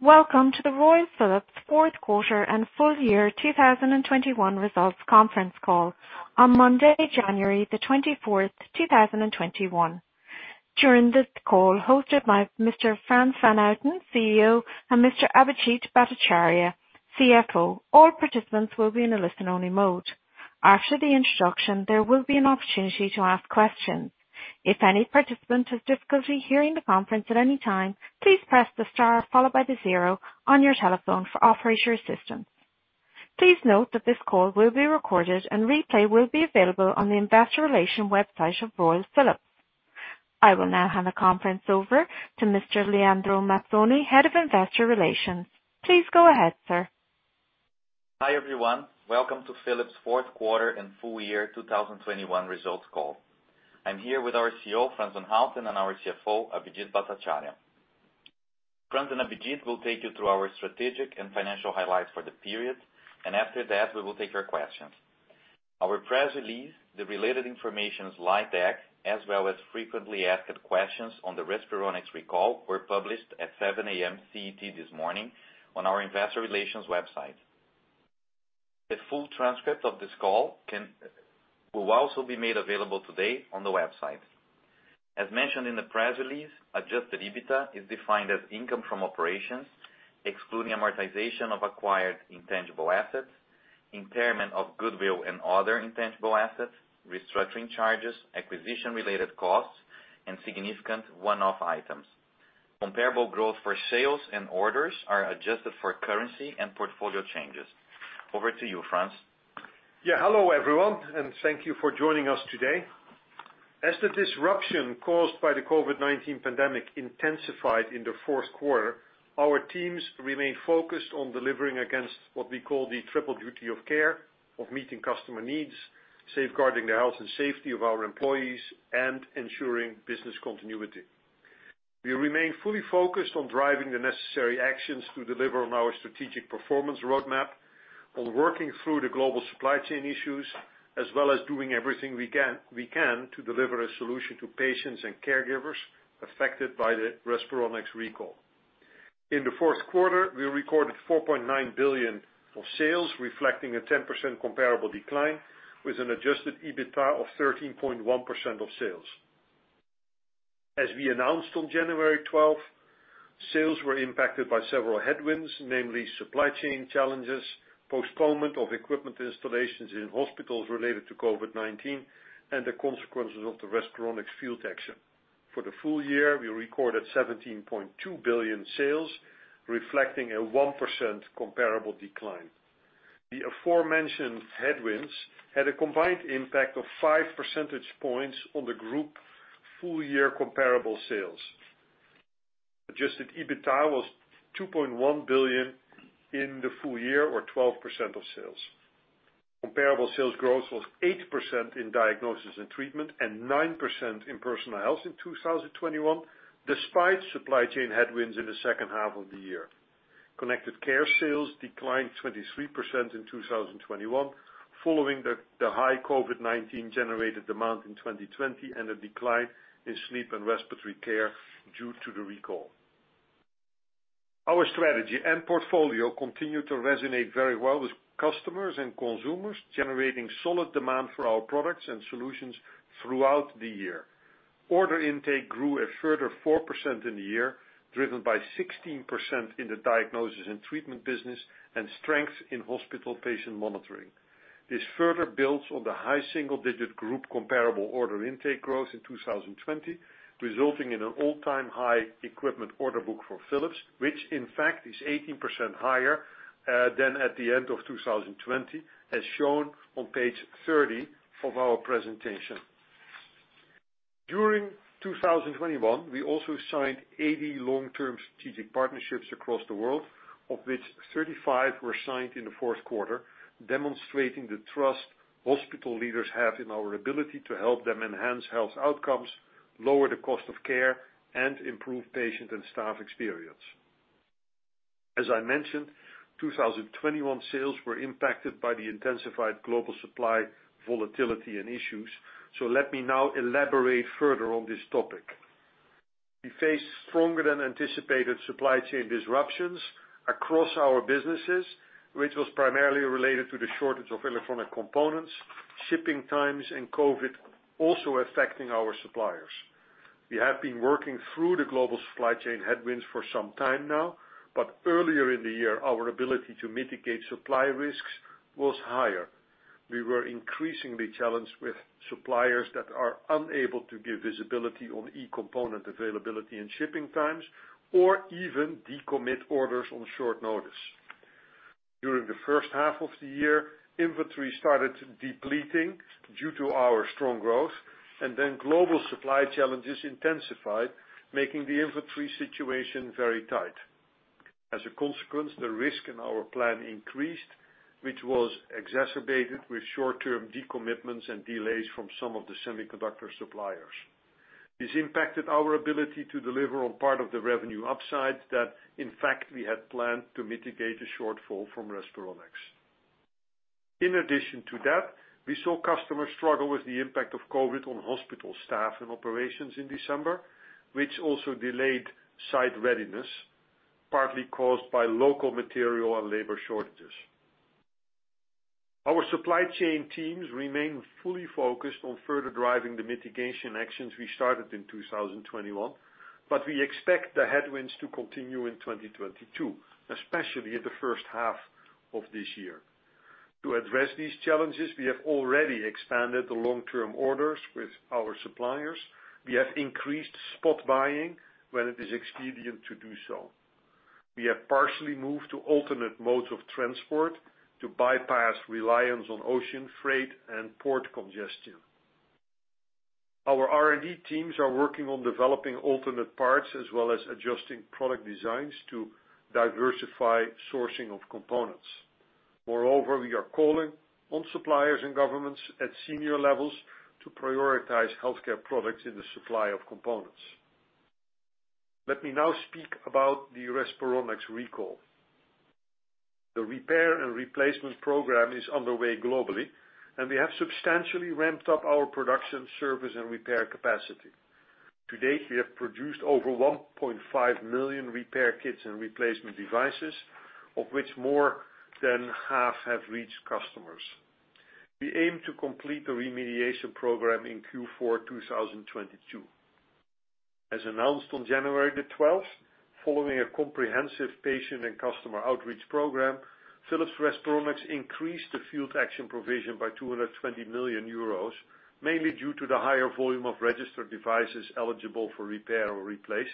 Welcome to the Royal Philips fourth quarter and full year 2021 results conference call on Monday, January 24, 2021. During this call hosted by Mr. Frans van Houten, CEO, and Mr. Abhijit Bhattacharya, CFO, all participants will be in a listen-only mode. After the introduction, there will be an opportunity to ask questions. If any participant has difficulty hearing the conference at any time, please press the star followed by the zero on your telephone for operator assistance. Please note that this call will be recorded and replay will be available on the investor relations website of Royal Philips. I will now hand the conference over to Mr. Leandro Mazzoni, Head of Investor Relations. Please go ahead, sir. Hi, everyone. Welcome to Philips fourth quarter and full year 2021 results call. I'm here with our CEO, Frans van Houten, and our CFO, Abhijit Bhattacharya. Frans and Abhijit will take you through our strategic and financial highlights for the period, and after that, we will take your questions. Our press release, the related information slide deck, as well as frequently asked good questions on the Respironics recall were published at 7 A.M. CT this morning on our investor relations website. The full transcript of this call will also be made available today on the website. As mentioned in the press release, adjusted EBITDA is defined as income from operations, excluding amortization of acquired intangible assets, impairment of goodwill and other intangible assets, restructuring charges, acquisition-related costs, and significant one-off items. Comparable growth for sales and orders are adjusted for currency and portfolio changes. Over to you, Frans. Yeah. Hello, everyone, and thank you for joining us today. As the disruption caused by the COVID-19 pandemic intensified in the fourth quarter, our teams remain focused on delivering against what we call the triple duty of care of meeting customer needs, safeguarding the health and safety of our employees, and ensuring business continuity. We remain fully focused on driving the necessary actions to deliver on our strategic performance roadmap, on working through the global supply chain issues, as well as doing everything we can to deliver a solution to patients and caregivers affected by the Respironics recall. In the fourth quarter, we recorded 4.9 billion of sales, reflecting a 10% comparable decline with an adjusted EBITDA of 13.1% of sales. As we announced on January 12, sales were impacted by several headwinds, namely supply chain challenges, postponement of equipment installations in hospitals related to COVID-19, and the consequences of the Respironics field action. For the full year, we recorded 17.2 billion sales, reflecting a 1% comparable decline. The aforementioned headwinds had a combined impact of five percentage points on the group full year comparable sales. Adjusted EBITDA was 2.1 billion in the full year or 12% of sales. Comparable sales growth was 8% in Diagnosis and Treatment, and 9% in Personal Health in 2021, despite supply chain headwinds in the second half of the year. Connected Care sales declined 23% in 2021 following the high COVID-19 generated demand in 2020 and a decline in sleep and respiratory care due to the recall. Our strategy and portfolio continued to resonate very well with customers and consumers, generating solid demand for our products and solutions throughout the year. Order intake grew a further 4% in the year, driven by 16% in the diagnosis and treatment business and strength in hospital patient monitoring. This further builds on the high single-digit group comparable order intake growth in 2020, resulting in an all-time high equipment order book for Philips, which in fact is 18% higher than at the end of 2020, as shown on page 30 of our presentation. During 2021, we also signed 80 long-term strategic partnerships across the world, of which 35 were signed in the fourth quarter, demonstrating the trust hospital leaders have in our ability to help them enhance health outcomes, lower the cost of care, and improve patient and staff experience. As I mentioned, 2021 sales were impacted by the intensified global supply volatility and issues. Let me now elaborate further on this topic. We faced stronger than anticipated supply chain disruptions across our businesses, which was primarily related to the shortage of electronic components, shipping times, and COVID also affecting our suppliers. We have been working through the global supply chain headwinds for some time now, but earlier in the year, our ability to mitigate supply risks was higher. We were increasingly challenged with suppliers that are unable to give visibility on e-component availability and shipping times, or even decommit orders on short notice. During the first half of the year, inventory started depleting due to our strong growth, and then global supply challenges intensified, making the inventory situation very tight. As a consequence, the risk in our plan increased, which was exacerbated with short-term decommitments and delays from some of the semiconductor suppliers. This impacted our ability to deliver on part of the revenue upside that, in fact, we had planned to mitigate the shortfall from Respironics. In addition to that, we saw customers struggle with the impact of COVID on hospital staff and operations in December, which also delayed site readiness, partly caused by local material and labor shortages. Our supply chain teams remain fully focused on further driving the mitigation actions we started in 2021, but we expect the headwinds to continue in 2022, especially in the first half of this year. To address these challenges, we have already expanded the long-term orders with our suppliers. We have increased spot buying when it is expedient to do so. We have partially moved to alternate modes of transport to bypass reliance on ocean freight and port congestion. Our R&D teams are working on developing alternate parts as well as adjusting product designs to diversify sourcing of components. Moreover, we are calling on suppliers and governments at senior levels to prioritize healthcare products in the supply of components. Let me now speak about the Respironics recall. The repair and replacement program is underway globally, and we have substantially ramped up our production, service, and repair capacity. To date, we have produced over 1.5 million repair kits and replacement devices, of which more than half have reached customers. We aim to complete the remediation program in Q4 2022. As announced on January 12, following a comprehensive patient and customer outreach program, Philips Respironics increased the field action provision by 220 million euros, mainly due to the higher volume of registered devices eligible for repair or replace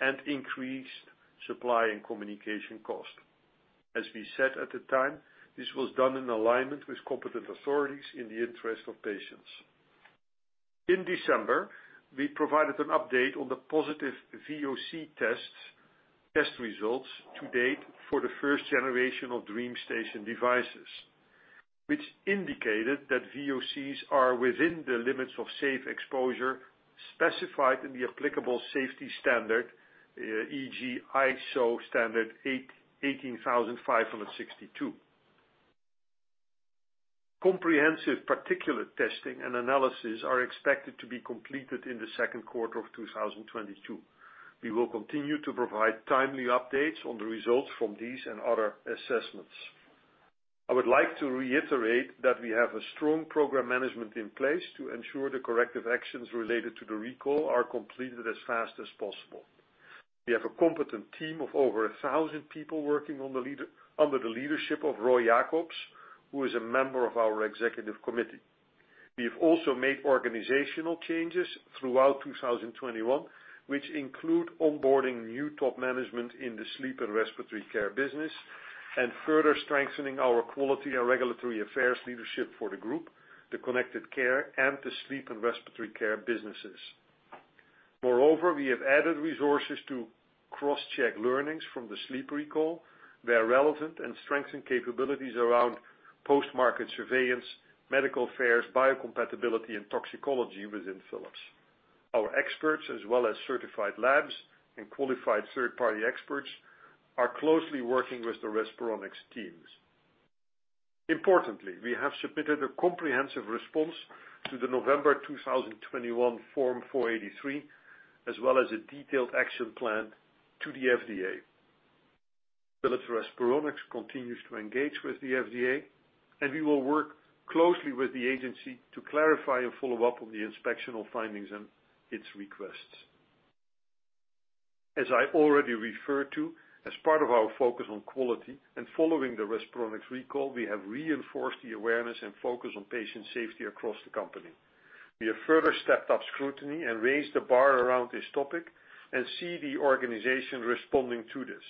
and increased supply and communication cost. As we said at the time, this was done in alignment with competent authorities in the interest of patients. In December, we provided an update on the positive VOC tests, test results to date for the first generation of DreamStation devices, which indicated that VOCs are within the limits of safe exposure specified in the applicable safety standard, e.g., ISO standard 18562. Comprehensive particulate testing and analysis are expected to be completed in the second quarter of 2022. We will continue to provide timely updates on the results from these and other assessments. I would like to reiterate that we have a strong program management in place to ensure the corrective actions related to the recall are completed as fast as possible. We have a competent team of over 1,000 people working under the leadership of Roy Jakobs, who is a member of our executive committee. We have also made organizational changes throughout 2021, which include onboarding new top management in the sleep and respiratory care business and further strengthening our quality and regulatory affairs leadership for the group, the Connected Care, and the sleep and respiratory care businesses. Moreover, we have added resources to cross-check learnings from the sleep recall, where relevant and strengthen capabilities around post-market surveillance, medical affairs, biocompatibility, and toxicology within Philips. Our experts, as well as certified labs and qualified third-party experts, are closely working with the Respironics teams. Importantly, we have submitted a comprehensive response to the November 2021 Form 483, as well as a detailed action plan to the FDA. Philips Respironics continues to engage with the FDA, and we will work closely with the agency to clarify a follow-up on the inspectional findings and its requests. As I already referred to, as part of our focus on quality and following the Respironics recall, we have reinforced the awareness and focus on patient safety across the company. We have further stepped up scrutiny and raised the bar around this topic and see the organization responding to this.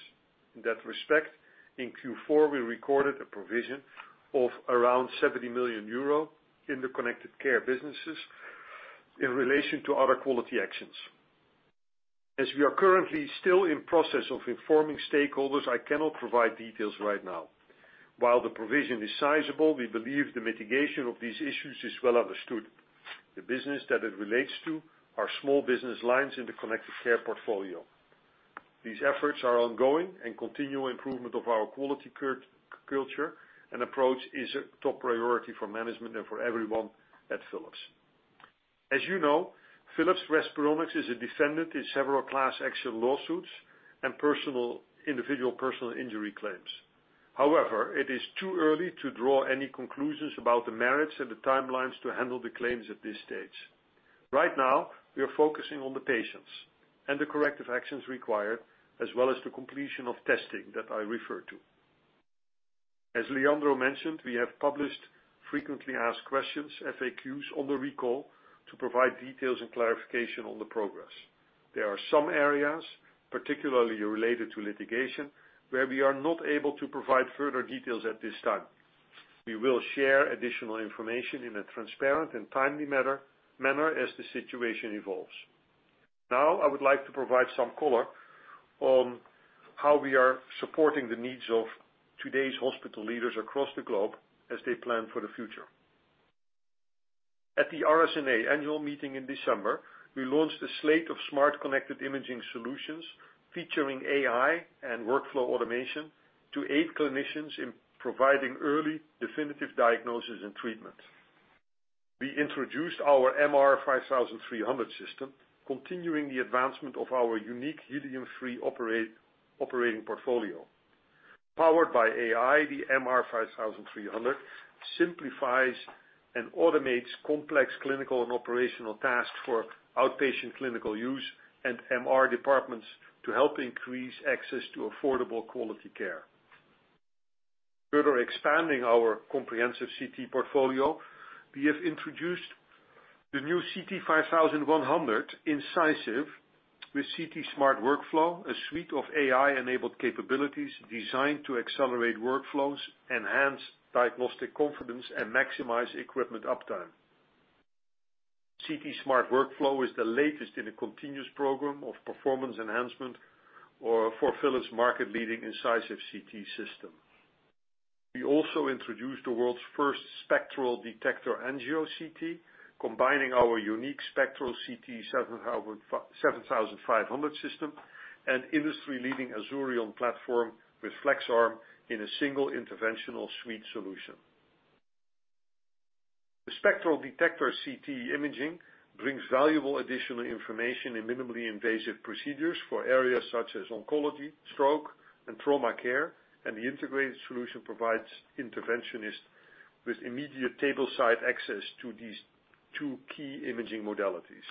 In that respect, in Q4, we recorded a provision of around 70 million euro in the Connected Care businesses in relation to other quality actions. As we are currently still in process of informing stakeholders, I cannot provide details right now. While the provision is sizable, we believe the mitigation of these issues is well understood. The business that it relates to are small business lines in the Connected Care portfolio. These efforts are ongoing and continual improvement of our quality culture and approach is a top priority for management and for everyone at Philips. As you know, Philips Respironics is a defendant in several class action lawsuits and personal injury claims. However, it is too early to draw any conclusions about the merits and the timelines to handle the claims at this stage. Right now, we are focusing on the patients and the corrective actions required, as well as the completion of testing that I referred to. As Leandro mentioned, we have published frequently asked questions, FAQs, on the recall to provide details and clarification on the progress. There are some areas, particularly related to litigation, where we are not able to provide further details at this time. We will share additional information in a transparent and timely manner as the situation evolves. Now I would like to provide some color on how we are supporting the needs of today's hospital leaders across the globe as they plan for the future. At the RSNA annual meeting in December, we launched a slate of smart connected imaging solutions featuring AI and workflow automation to aid clinicians in providing early definitive diagnosis and treatment. We introduced our MR 5300 system, continuing the advancement of our unique helium-free operating portfolio. Powered by AI, the MR 5300 simplifies and automates complex clinical and operational tasks for outpatient clinical use and MR departments to help increase access to affordable quality care. Further expanding our comprehensive CT portfolio, we have introduced the new CT 5100 – Incisive with CT Smart Workflow, a suite of AI-enabled capabilities designed to accelerate workflows, enhance diagnostic confidence, and maximize equipment uptime. CT Smart Workflow is the latest in a continuous program of performance enhancement for Philips market-leading Incisive CT system. We also introduced the world's first spectral detector angio CT, combining our unique Spectral CT 7500 system and industry-leading Azurion platform with FlexArm in a single interventional suite solution. The spectral detector CT imaging brings valuable additional information in minimally invasive procedures for areas such as oncology, stroke, and trauma care, and the integrated solution provides interventionists with immediate tableside access to these two key imaging modalities.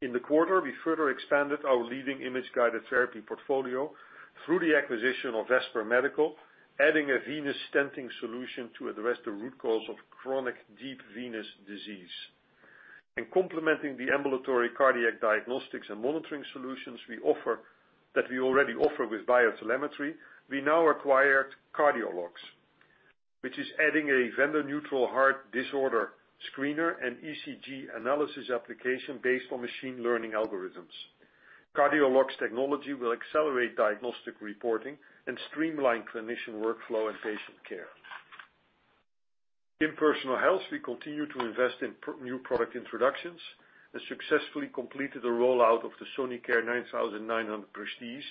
In the quarter, we further expanded our leading Image-Guided Therapy portfolio through the acquisition of Vesper Medical, adding a venous stenting solution to address the root cause of chronic deep venous disease. In complementing the ambulatory cardiac diagnostics and monitoring solutions we offer with BioTelemetry, we now acquired Cardiologs, which is adding a vendor-neutral heart disorder screener and ECG analysis application based on machine learning algorithms. Cardiologs technology will accelerate diagnostic reporting and streamline clinician workflow and patient care. In Personal Health, we continue to invest in new product introductions and successfully completed the rollout of the Sonicare 9900 Prestige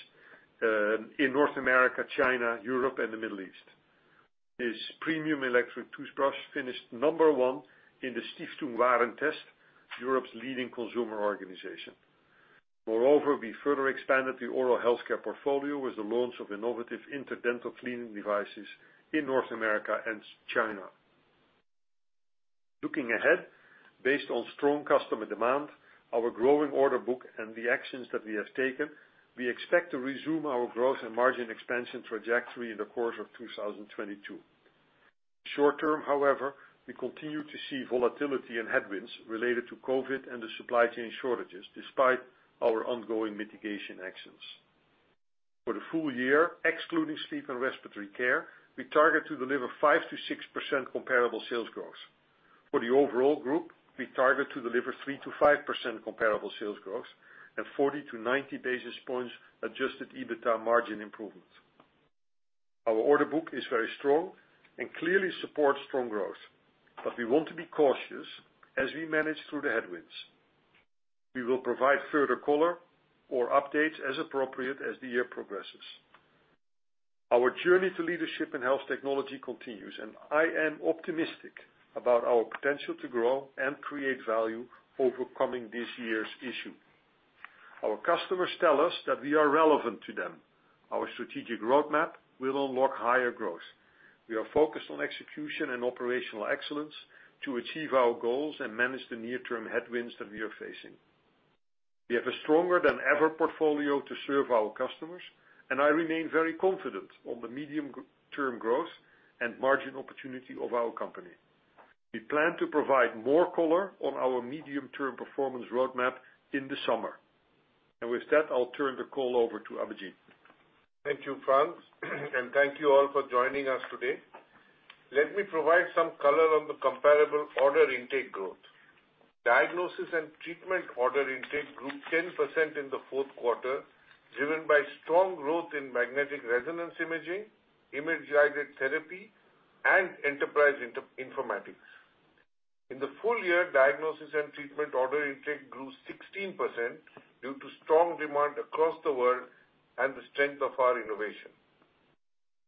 in North America, China, Europe, and the Middle East. This premium electric toothbrush finished number one in the Stiftung Warentest, Europe's leading consumer organization. Moreover, we further expanded the oral healthcare portfolio with the launch of innovative interdental cleaning devices in North America and China. Looking ahead, based on strong customer demand, our growing order book, and the actions that we have taken, we expect to resume our growth and margin expansion trajectory in the course of 2022. Short term, however, we continue to see volatility and headwinds related to COVID and the supply chain shortages, despite our ongoing mitigation actions. For the full year, excluding sleep and respiratory care, we target to deliver 5%-6% comparable sales growth. For the overall group, we target to deliver 3%-5% comparable sales growth and 40-90 basis points adjusted EBITDA margin improvement. Our order book is very strong and clearly supports strong growth, but we want to be cautious as we manage through the headwinds. We will provide further color or updates as appropriate as the year progresses. Our journey to leadership in health technology continues, and I am optimistic about our potential to grow and create value overcoming this year's issue. Our customers tell us that we are relevant to them. Our strategic roadmap will unlock higher growth. We are focused on execution and operational excellence to achieve our goals and manage the near-term headwinds that we are facing. We have a stronger than ever portfolio to serve our customers, and I remain very confident on the medium-term growth and margin opportunity of our company. We plan to provide more color on our medium-term performance roadmap in the summer. With that, I'll turn the call over to Abhijit. Thank you, Frans, and thank you all for joining us today. Let me provide some color on the comparable order intake growth. Diagnosis & Treatment order intake grew 10% in the fourth quarter, driven by strong growth in magnetic resonance imaging, Image-Guided Therapy, and Enterprise Informatics. In the full year, Diagnosis & Treatment order intake grew 16% due to strong demand across the world and the strength of our innovation.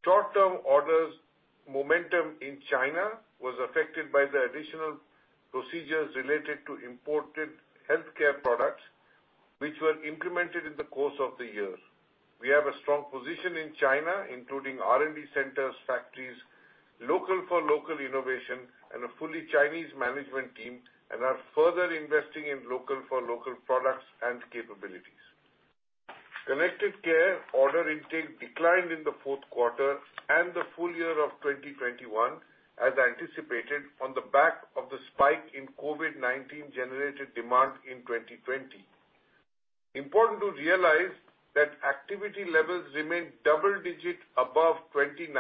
Short-term orders momentum in China was affected by the additional procedures related to imported healthcare products, which were implemented in the course of the year. We have a strong position in China, including R&D centers, factories, local-for-local innovation, and a fully Chinese management team, and are further investing in local-for-local products and capabilities. Connected Care order intake declined in the fourth quarter and the full year of 2021, as anticipated on the back of the spike in COVID-19-generated demand in 2020. Important to realize that activity levels remain double-digit above 2019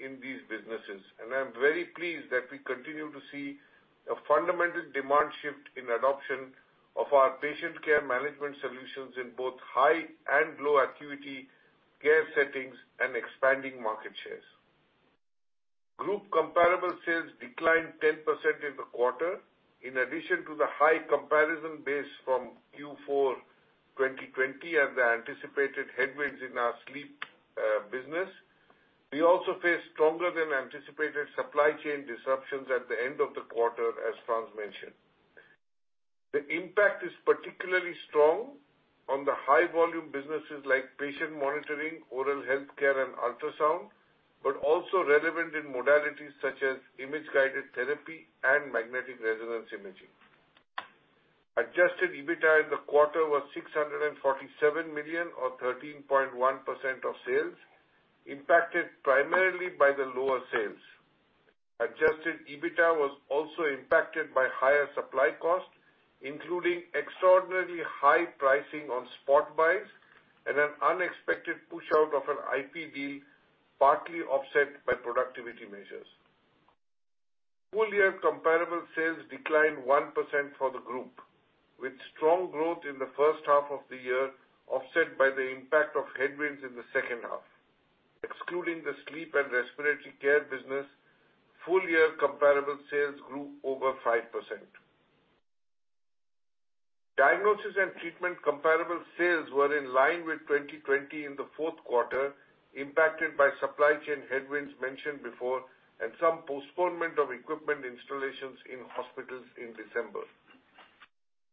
in these businesses, and I'm very pleased that we continue to see a fundamental demand shift in adoption of our patient care management solutions in both high and low acuity care settings and expanding market shares. Group comparable sales declined 10% in the quarter. In addition to the high comparison base from Q4 2020 and the anticipated headwinds in our sleep business, we also faced stronger than anticipated supply chain disruptions at the end of the quarter, as Frans mentioned. The impact is particularly strong on the high volume businesses like patient monitoring, oral health care, and ultrasound, but also relevant in modalities such as Image-Guided Therapy and magnetic resonance imaging. Adjusted EBITDA in the quarter was 647 million or 13.1% of sales, impacted primarily by the lower sales. Adjusted EBITDA was also impacted by higher supply costs, including extraordinarily high pricing on spot buys and an unexpected pushout of an IP deal, partly offset by productivity measures. Full year comparable sales declined 1% for the group, with strong growth in the first half of the year, offset by the impact of headwinds in the second half. Excluding the sleep and respiratory care business, full year comparable sales grew over 5%. Diagnosis and Treatment comparable sales were in line with 2020 in the fourth quarter, impacted by supply chain headwinds mentioned before and some postponement of equipment installations in hospitals in December.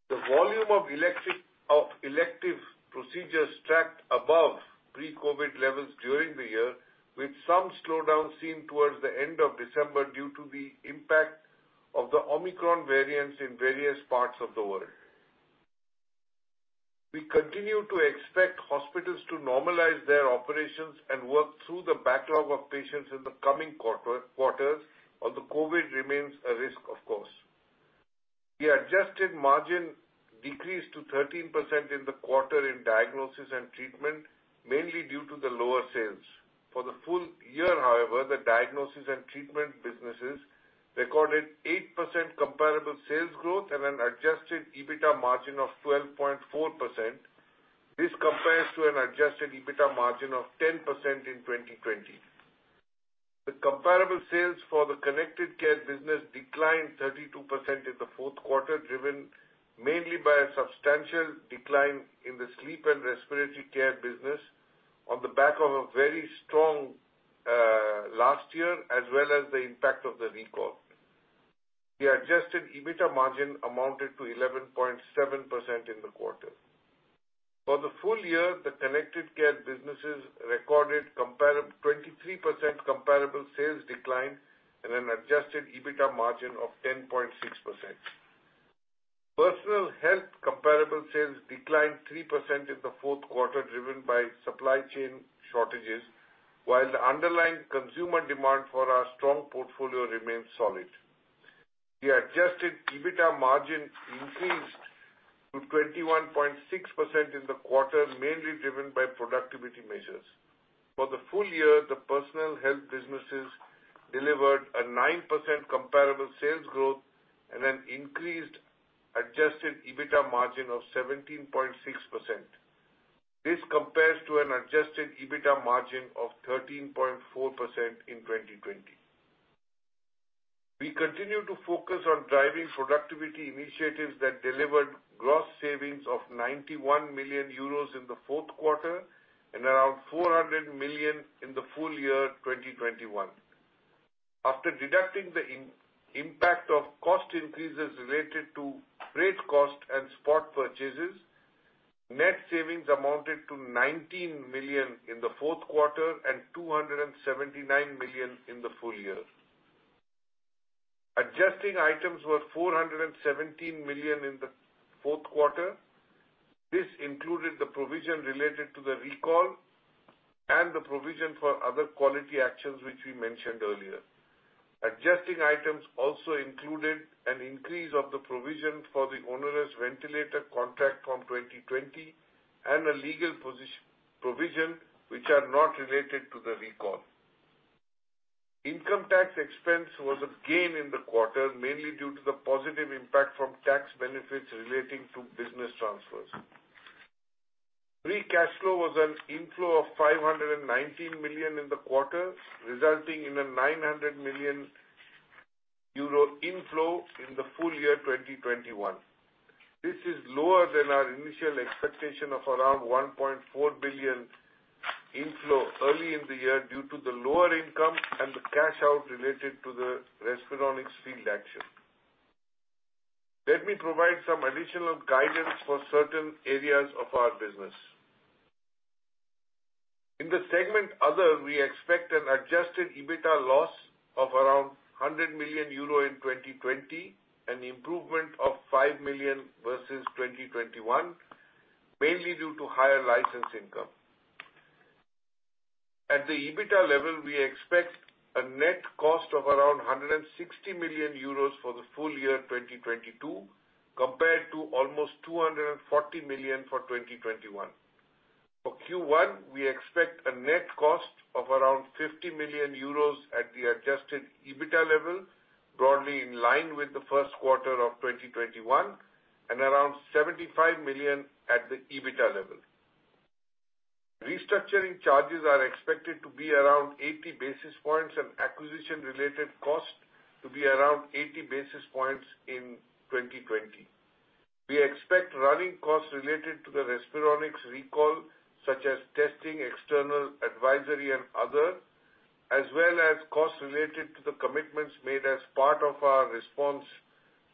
The volume of elective procedures tracked above pre-COVID levels during the year, with some slowdown seen towards the end of December due to the impact of the Omicron variant in various parts of the world. We continue to expect hospitals to normalize their operations and work through the backlog of patients in the coming quarters, although COVID remains a risk, of course. The adjusted margin decreased to 13% in the quarter in Diagnosis and Treatment, mainly due to the lower sales. For the full year, however, the Diagnosis and Treatment businesses recorded 8% comparable sales growth and an adjusted EBITDA margin of 12.4%. This compares to an adjusted EBITDA margin of 10% in 2020. The comparable sales for the Connected Care business declined 32% in the fourth quarter, driven mainly by a substantial decline in the sleep and respiratory care business on the back of a very strong last year as well as the impact of the recall. The adjusted EBITDA margin amounted to 11.7% in the quarter. For the full year, the Connected Care businesses recorded 23% comparable sales decline and an adjusted EBITDA margin of 10.6%. Personal Health comparable sales declined 3% in the fourth quarter, driven by supply chain shortages, while the underlying consumer demand for our strong portfolio remains solid. The adjusted EBITDA margin increased to 21.6% in the quarter, mainly driven by productivity measures. For the full year, the personal health businesses delivered a 9% comparable sales growth and an increased adjusted EBITDA margin of 17.6%. This compares to an adjusted EBITDA margin of 13.4% in 2020. We continue to focus on driving productivity initiatives that delivered gross savings of 91 million euros in the fourth quarter and around 400 million in the full year 2021. After deducting the impact of cost increases related to freight cost and spot purchases, net savings amounted to 19 million in the fourth quarter and 279 million in the full year. Adjusting items were 417 million in the fourth quarter. This included the provision related to the recall and the provision for other quality actions which we mentioned earlier. Adjusting items also included an increase of the provision for the onerous ventilator contract from 2020 and a legal provision which are not related to the recall. Income tax expense was a gain in the quarter, mainly due to the positive impact from tax benefits relating to business transfers. Free cash flow was an inflow of 519 million in the quarter, resulting in a 900 million euro inflow in the full year 2021. This is lower than our initial expectation of around 1.4 billion inflow early in the year due to the lower income and the cash out related to the Respironics field action. Let me provide some additional guidance for certain areas of our business. In the segment Other, we expect an adjusted EBITDA loss of around 100 million euro in 2020, an improvement of 5 million versus 2021, mainly due to higher license income. At the EBITDA level, we expect a net cost of around 160 million euros for the full year 2022 compared to almost 240 million for 2021. For Q1, we expect a net cost of around 50 million euros at the adjusted EBITDA level. Broadly in line with the first quarter of 2021 and around 75 million at the EBITA level. Restructuring charges are expected to be around 80 basis points and acquisition related costs to be around 80 basis points in 2020. We expect running costs related to the Respironics recall, such as testing, external advisory and other, as well as costs related to the commitments made as part of our response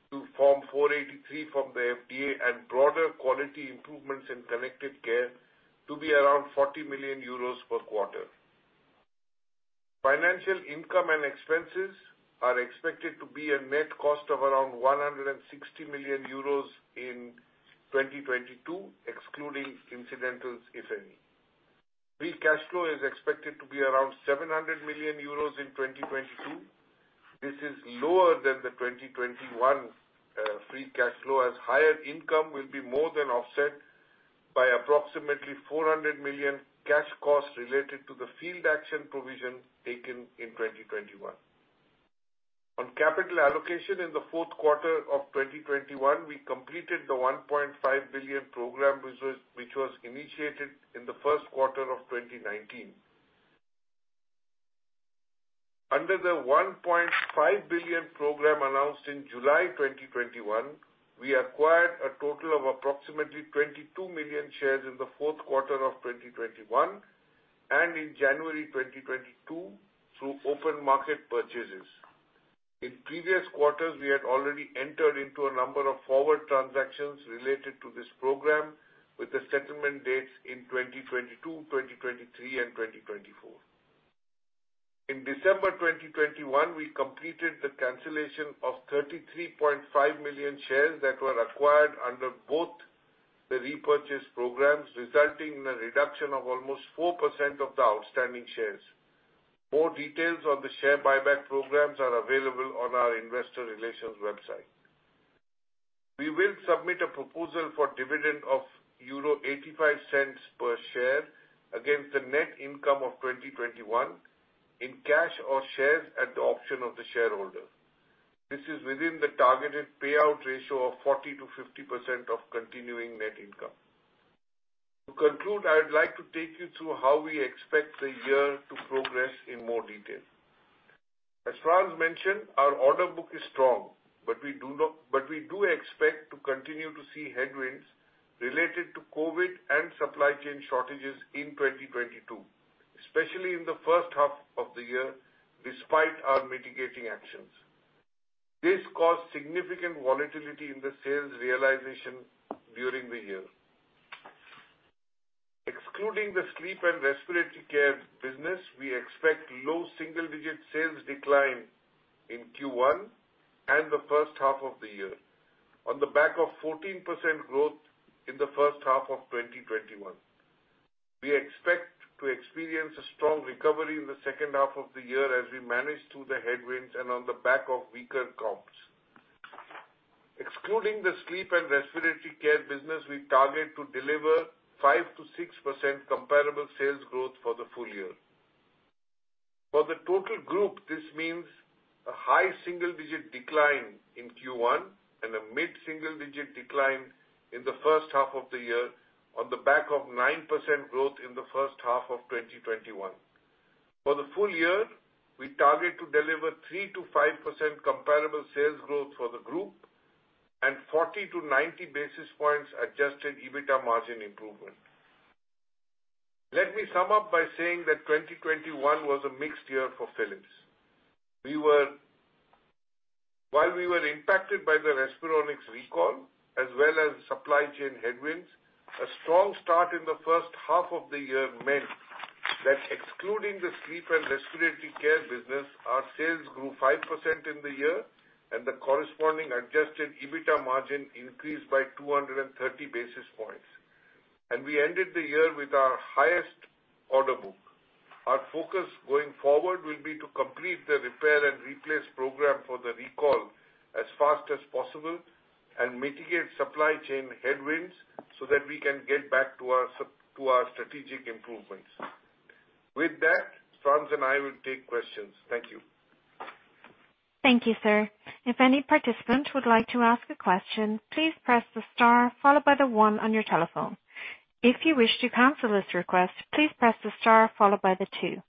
to Form 483 from the FDA and broader quality improvements in connected care to be around 40 million euros per quarter. Financial income and expenses are expected to be a net cost of around 160 million euros in 2022, excluding incidentals, if any. Free cash flow is expected to be around 700 million euros in 2022. This is lower than the 2021 free cash flow, as higher income will be more than offset by approximately 400 million cash costs related to the field action provision taken in 2021. On capital allocation in the fourth quarter of 2021, we completed the 1.5 billion program which was initiated in the first quarter of 2019. Under the 1.5 billion program announced in July 2021, we acquired a total of approximately 22 million shares in the fourth quarter of 2021 and in January 2022 through open market purchases. In previous quarters, we had already entered into a number of forward transactions related to this program with the settlement dates in 2022, 2023 and 2024. In December 2021, we completed the cancellation of 33.5 million shares that were acquired under both the repurchase programs, resulting in a reduction of almost 4% of the outstanding shares. More details on the share buyback programs are available on our investor relations website. We will submit a proposal for dividend of 0.85 per share against the net income of 2021 in cash or shares at the option of the shareholder. This is within the targeted payout ratio of 40%-50% of continuing net income. To conclude, I would like to take you through how we expect the year to progress in more detail. As Frans mentioned, our order book is strong, but we do expect to continue to see headwinds related to COVID and supply chain shortages in 2022, especially in the first half of the year, despite our mitigating actions. This caused significant volatility in the sales realization during the year. Excluding the sleep and respiratory care business, we expect low single-digit sales decline in Q1 and the first half of the year on the back of 14% growth in the first half of 2021. We expect to experience a strong recovery in the second half of the year as we manage through the headwinds and on the back of weaker comps. Excluding the sleep and respiratory care business, we target to deliver 5%-6% comparable sales growth for the full year. For the total group, this means a high single-digit decline in Q1 and a mid-single-digit decline in the first half of the year on the back of 9% growth in the first half of 2021. For the full year, we target to deliver 3%-5% comparable sales growth for the group and 40-90 basis points adjusted EBITA margin improvement. Let me sum up by saying that 2021 was a mixed year for Philips. We were impacted by the Respironics recall as well as supply chain headwinds. A strong start in the first half of the year meant that excluding the sleep and respiratory care business, our sales grew 5% in the year and the corresponding adjusted EBITA margin increased by 230 basis points. We ended the year with our highest order book. Our focus going forward will be to complete the repair and replace program for the recall as fast as possible and mitigate supply chain headwinds so that we can get back to our strategic improvements. With that, Frans and I will take questions. Thank you. Thank you, sir. If any participant would like to ask a question, please press the star followed by the one on your telephone. If you wish to cancel this request, please press the star followed by the two.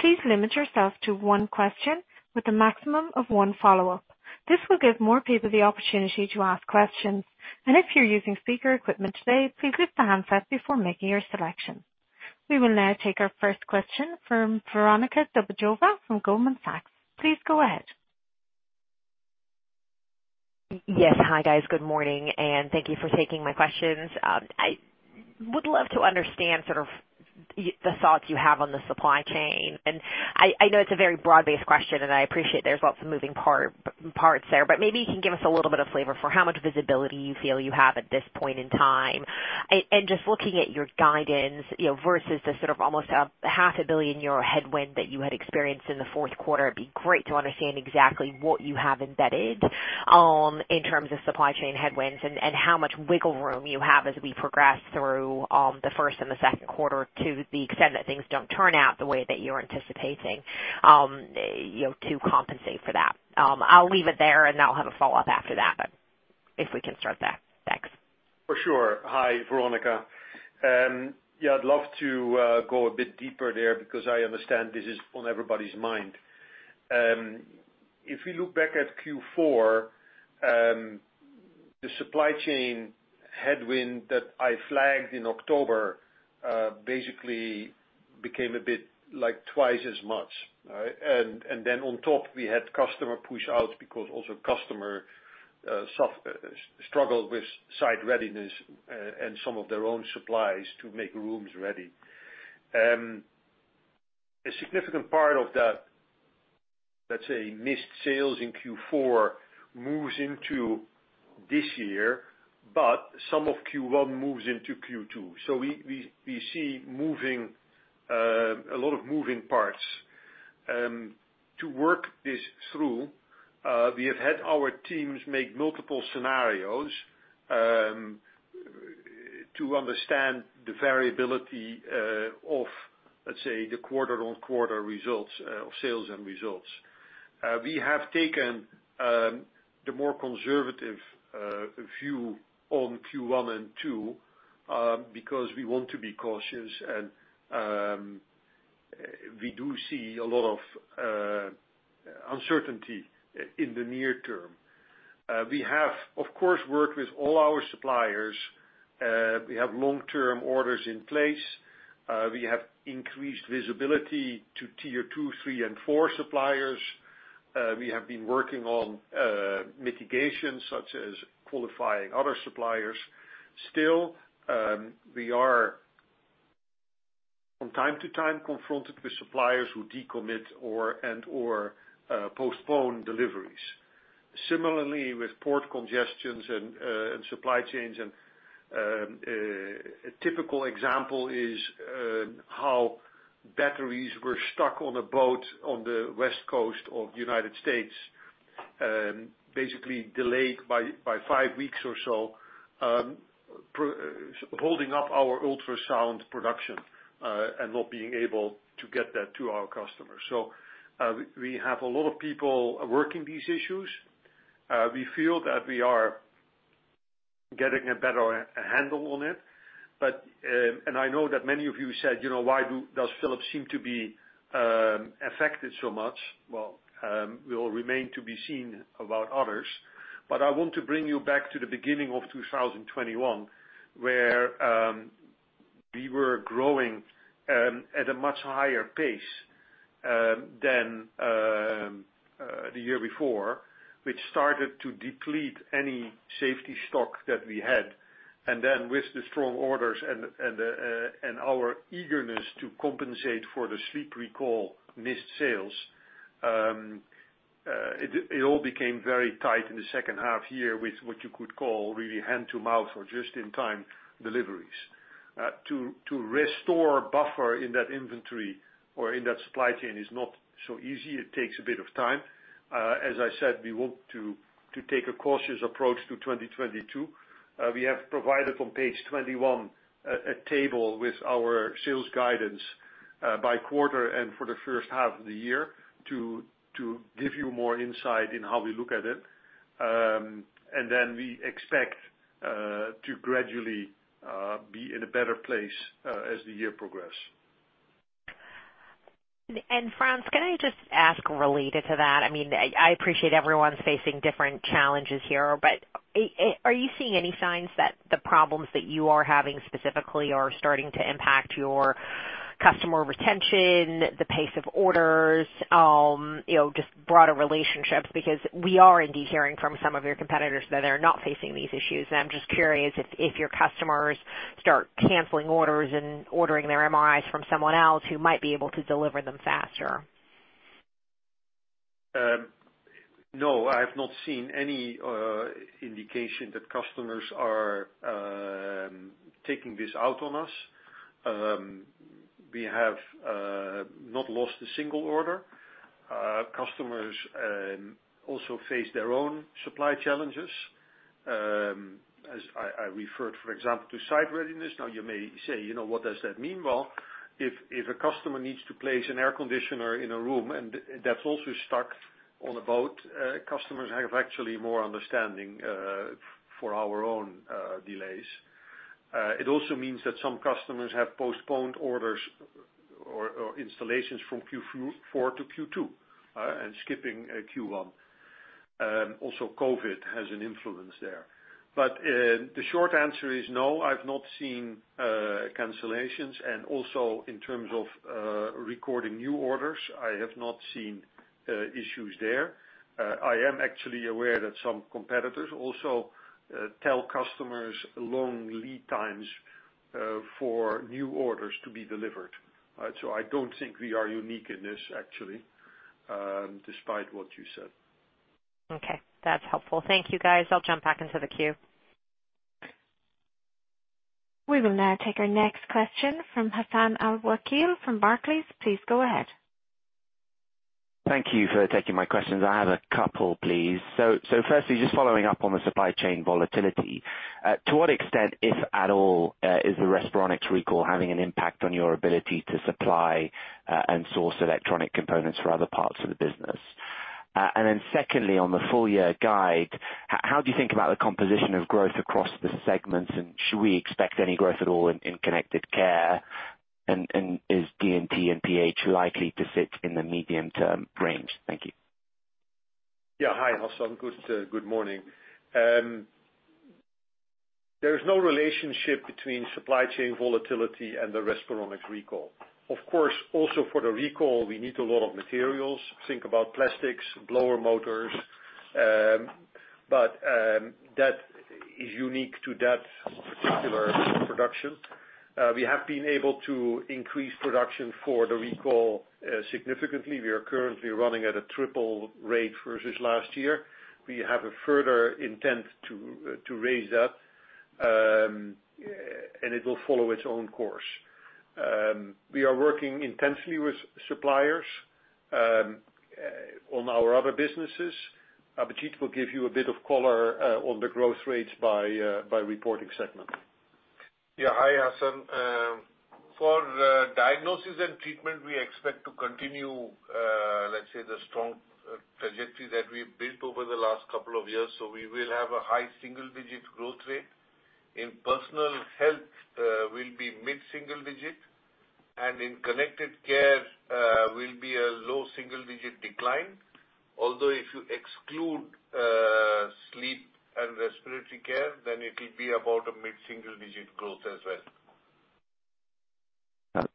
Please limit yourself to one question with a maximum of one follow-up. This will give more people the opportunity to ask questions. If you're using speaker equipment today, please mute the handset before making your selection. We will now take our first question from Veronika Dubajova from Goldman Sachs. Please go ahead. Yes. Hi, guys. Good morning, and thank you for taking my questions. I would love to understand sort of the thoughts you have on the supply chain. I know it's a very broad-based question, and I appreciate there's lots of moving parts there, but maybe you can give us a little bit of flavor for how much visibility you feel you have at this point in time. Just looking at your guidance, you know, versus the sort of almost 500,000,000 euro headwind that you had experienced in the fourth quarter, it'd be great to understand exactly what you have embedded in terms of supply chain headwinds and how much wiggle room you have as we progress through the first and the second quarter to the extent that things don't turn out the way that you're anticipating, you know, to compensate for that. I'll leave it there, and I'll have a follow-up after that. If we can start there. Thanks. For sure. Hi, Veronica. Yeah, I'd love to go a bit deeper there because I understand this is on everybody's mind. If we look back at Q4, the supply chain headwind that I flagged in October basically became a bit like twice as much, right? Then on top, we had customer push out because also customers struggled with site readiness and some of their own supplies to make rooms ready. A significant part of that, let's say, missed sales in Q4 moves into this year, but some of Q1 moves into Q2. We see moving a lot of moving parts. To work this through, we have had our teams make multiple scenarios to understand the variability of, let's say, the quarter-on-quarter results, sales and results. We have taken the more conservative view on Q1 and Q2 because we want to be cautious and we do see a lot of uncertainty in the near term. We have, of course, worked with all our suppliers. We have long-term orders in place. We have increased visibility to Tier 2, 3, and 4 suppliers. We have been working on mitigation such as qualifying other suppliers. Still, we are from time to time confronted with suppliers who decommit or and/or postpone deliveries. Similarly with port congestion and supply chains, a typical example is how batteries were stuck on a boat on the West Coast of the United States, basically delayed by five weeks or so, holding up our ultrasound production and not being able to get that to our customers. We have a lot of people working these issues. We feel that we are getting a better handle on it. I know that many of you said, "You know, why does Philips seem to be affected so much?" Well, it will remain to be seen about others. I want to bring you back to the beginning of 2021, where we were growing at a much higher pace than the year before, which started to deplete any safety stock that we had. With the strong orders and our eagerness to compensate for the sleep recall missed sales, it all became very tight in the second half here with what you could call really hand to mouth or just in time deliveries. To restore buffer in that inventory or in that supply chain is not so easy. It takes a bit of time. As I said, we want to take a cautious approach to 2022. We have provided on page 21 a table with our sales guidance by quarter and for the first half of the year to give you more insight in how we look at it. We expect to gradually be in a better place as the year progresses. Frans, can I just ask related to that? I mean, I appreciate everyone's facing different challenges here, but, are you seeing any signs that the problems that you are having specifically are starting to impact your customer retention, the pace of orders, you know, just broader relationships? Because we are indeed hearing from some of your competitors that they're not facing these issues. I'm just curious if your customers start canceling orders and ordering their MRIs from someone else who might be able to deliver them faster. No, I have not seen any indication that customers are taking this out on us. We have not lost a single order. Customers also face their own supply challenges, as I referred, for example, to site readiness. Now, you may say, you know, what does that mean? Well, if a customer needs to place an air conditioner in a room and that's also stuck on a boat, customers have actually more understanding for our own delays. It also means that some customers have postponed orders or installations from Q4 to Q2, and skipping Q1. Also, COVID has an influence there. The short answer is no, I've not seen cancellations. Also in terms of recording new orders, I have not seen issues there. I am actually aware that some competitors also tell customers long lead times for new orders to be delivered. I don't think we are unique in this actually, despite what you said. Okay, that's helpful. Thank you, guys. I'll jump back into the queue. We will now take our next question from Hassan Al-Wakeel from Barclays. Please go ahead. Thank you for taking my questions. I have a couple, please. Firstly, just following up on the supply chain volatility. To what extent, if at all, is the Respironics recall having an impact on your ability to supply and source electronic components for other parts of the business? Secondly, on the full year guide, how do you think about the composition of growth across the segments? Should we expect any growth at all in Connected Care? Is D&T and PH likely to fit in the medium term range? Thank you. Yeah. Hi, Hassan. Good morning. There's no relationship between supply chain volatility and the Respironics recall. Of course, also for the recall, we need a lot of materials. Think about plastics, blower motors. That is unique to that particular production. We have been able to increase production for the recall significantly. We are currently running at a triple rate versus last year. We have a further intent to raise that, and it will follow its own course. We are working intensely with suppliers on our other businesses. Abhijit will give you a bit of color on the growth rates by reporting segment. Yeah. Hi, Hassan. For Diagnosis and Treatment, we expect to continue, let's say, the strong trajectory that we've built over the last couple of years. We will have a high single-digit growth rate. In Personal Health, will be mid-single digit. In Connected Care, will be a low single-digit decline. Although if you exclude sleep and respiratory care, then it will be about a mid-single digit growth as well.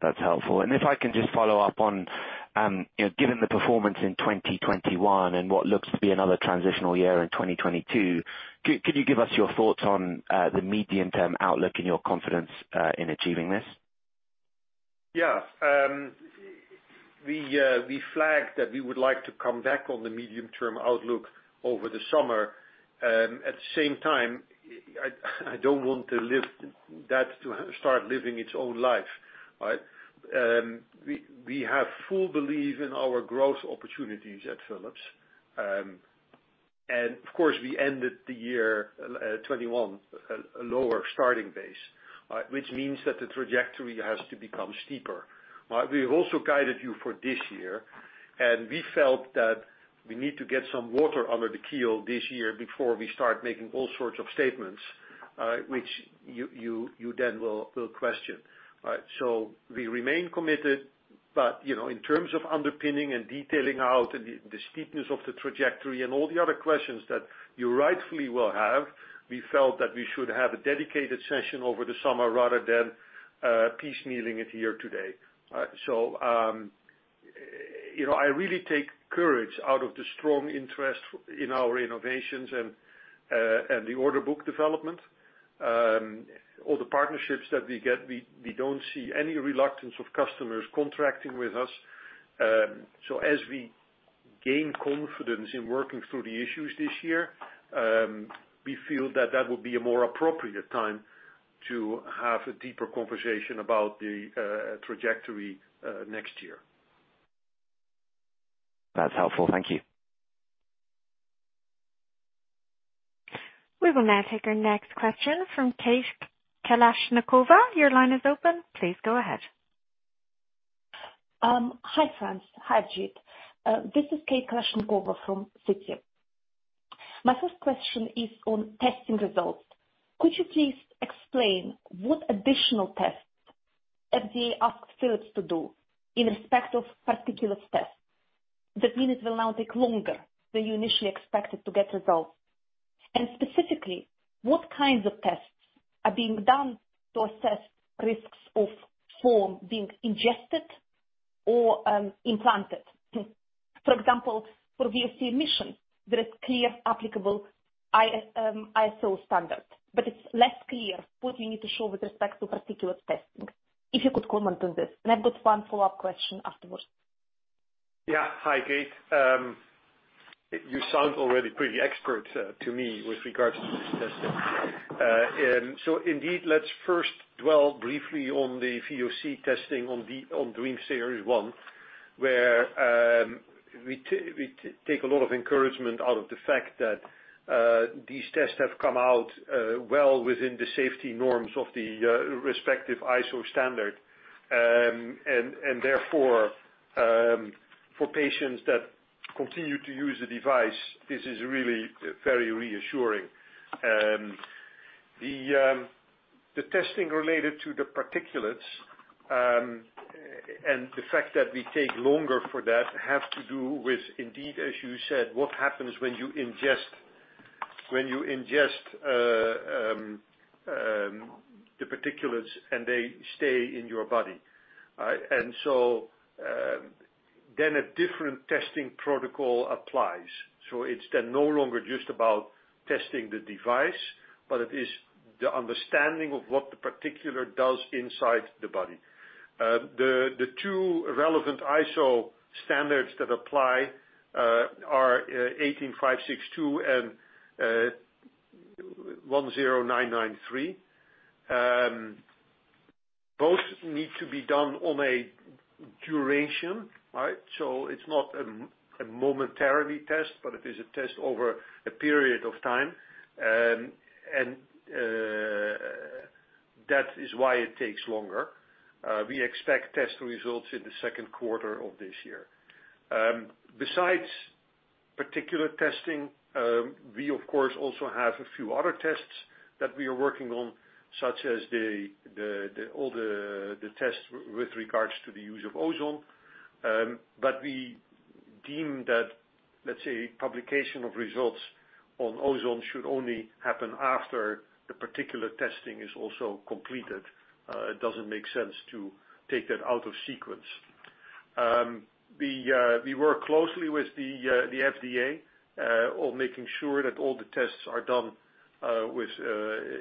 That's helpful. If I can just follow up on, you know, given the performance in 2021 and what looks to be another transitional year in 2022, could you give us your thoughts on the medium-term outlook and your confidence in achieving this? Yeah. We flagged that we would like to come back on the medium-term outlook over the summer. At the same time, I don't want to leave that to start living its own life. All right. We have full belief in our growth opportunities at Philips. Of course, we ended the year 2021 a lower starting base, which means that the trajectory has to become steeper. We've also guided you for this year, and we felt that we need to get some water under the keel this year before we start making all sorts of statements, which you then will question. All right. We remain committed, but, you know, in terms of underpinning and detailing out the steepness of the trajectory and all the other questions that you rightfully will have, we felt that we should have a dedicated session over the summer rather than piecemealing it here today. You know, I really take courage out of the strong interest in our innovations and the order book development. All the partnerships that we get, we don't see any reluctance of customers contracting with us. As we gain confidence in working through the issues this year, we feel that would be a more appropriate time to have a deeper conversation about the trajectory next year. That's helpful. Thank you. We will now take our next question from Kate Kalashnikova. Your line is open. Please go ahead. Hi, Frans. Hi, Abhijit. This is Kate Kalashnikova from Citi. My first question is on testing results. Could you please explain what additional tests FDA asked Philips to do in respect of particulate test? That means it will now take longer than you initially expected to get results. Specifically, what kinds of tests are being done to assess risks of foam being ingested or implanted? For example, for VOC emissions, there is clear applicable ISO standard. But it's less clear what you need to show with respect to particulate testing. If you could comment on this. I've got one follow-up question afterwards. Yeah. Hi, Kate. You sound already pretty expert to me with regards to this testing. Indeed, let's first dwell briefly on the VOC testing on the DreamStation one, where we take a lot of encouragement out of the fact that these tests have come out well within the safety norms of the respective ISO standard. Therefore, for patients that continue to use the device, this is really very reassuring. The testing related to the particulates and the fact that we take longer for that have to do with, indeed, as you said, what happens when you ingest the particulates and they stay in your body. A different testing protocol applies. It's then no longer just about testing the device, but it is the understanding of what the particulate does inside the body. The two relevant ISO standards that apply are 18562 and 10993. Both need to be done on a duration, right? It's not a momentary test, but it is a test over a period of time. That is why it takes longer. We expect test results in the second quarter of this year. Besides particulate testing, we of course also have a few other tests that we are working on, such as all the tests with regards to the use of ozone. But we deem that, let's say, publication of results on ozone should only happen after the particulate testing is also completed. It doesn't make sense to take that out of sequence. We work closely with the FDA on making sure that all the tests are done with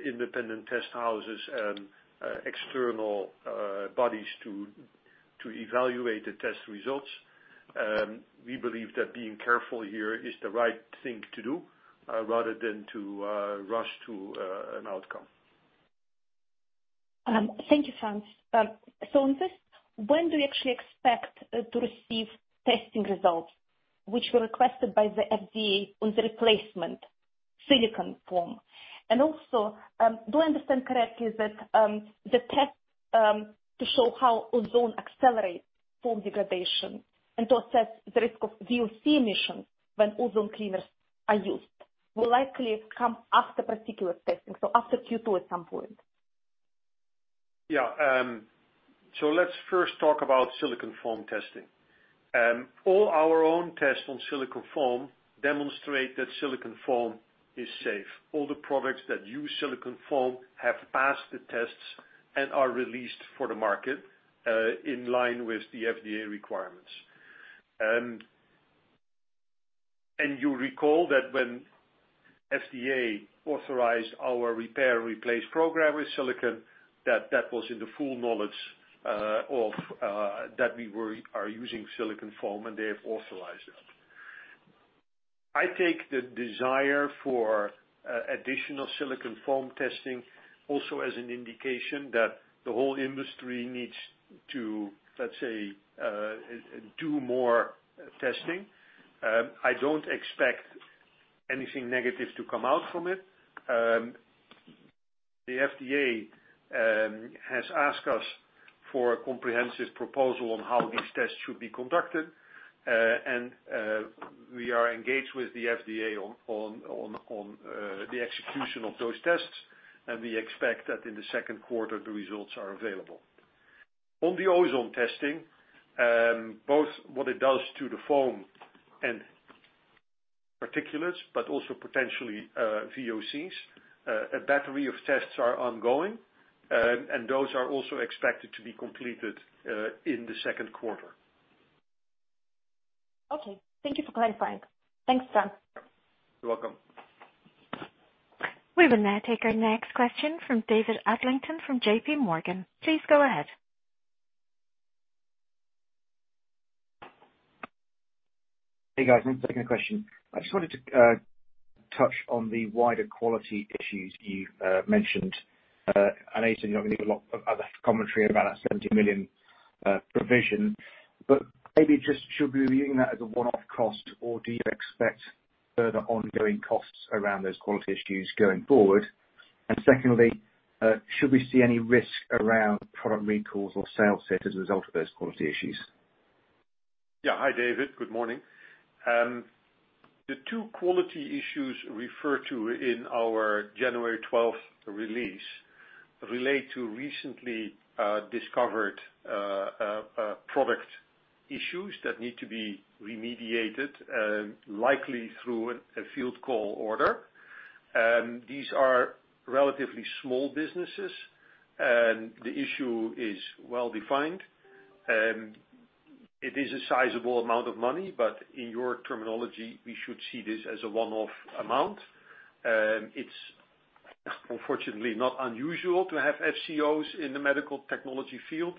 independent test houses and external bodies to evaluate the test results. We believe that being careful here is the right thing to do rather than to rush to an outcome. Thank you, Frans. On this, when do you actually expect to receive testing results which were requested by the FDA on the replacement silicone foam? Do I understand correctly that the test to show how ozone accelerates foam degradation and to assess the risk of VOC emissions when ozone cleaners are used will likely come after particular testing, after Q2 at some point? Let's first talk about silicone foam testing. All our own tests on silicone foam demonstrate that silicone foam is safe. All the products that use silicone foam have passed the tests and are released for the market in line with the FDA requirements. You recall that when FDA authorized our repair and replace program with silicone, that was in the full knowledge of that we are using silicone foam, and they have authorized it. I take the desire for additional silicone foam testing also as an indication that the whole industry needs to, let's say, do more testing. I don't expect anything negative to come out from it. The FDA has asked us for a comprehensive proposal on how these tests should be conducted, and we are engaged with the FDA on the execution of those tests, and we expect that in the second quarter, the results are available. On the ozone testing, both what it does to the foam and particulates, but also potentially VOCs, a battery of tests are ongoing, and those are also expected to be completed in the second quarter. Okay. Thank you for clarifying. Thanks, Frans. You're welcome. We will now take our next question from David Adlington from J.P. Morgan. Please go ahead. Hey, guys. Thanks for taking the question. I just wanted to touch on the wider quality issues you mentioned. I know you're not gonna give a lot of other commentary about that 70 million provision, but maybe just should we be viewing that as a one-off cost, or do you expect further ongoing costs around those quality issues going forward? And secondly, should we see any risk around product recalls or sales hit as a result of those quality issues? Yeah. Hi, David. Good morning. The two quality issues referred to in our January twelfth release relate to recently discovered product issues that need to be remediated, likely through a field call order. These are relatively small businesses. The issue is well defined. It is a sizable amount of money, but in your terminology, we should see this as a one-off amount. It's unfortunately not unusual to have FCOs in the medical technology field.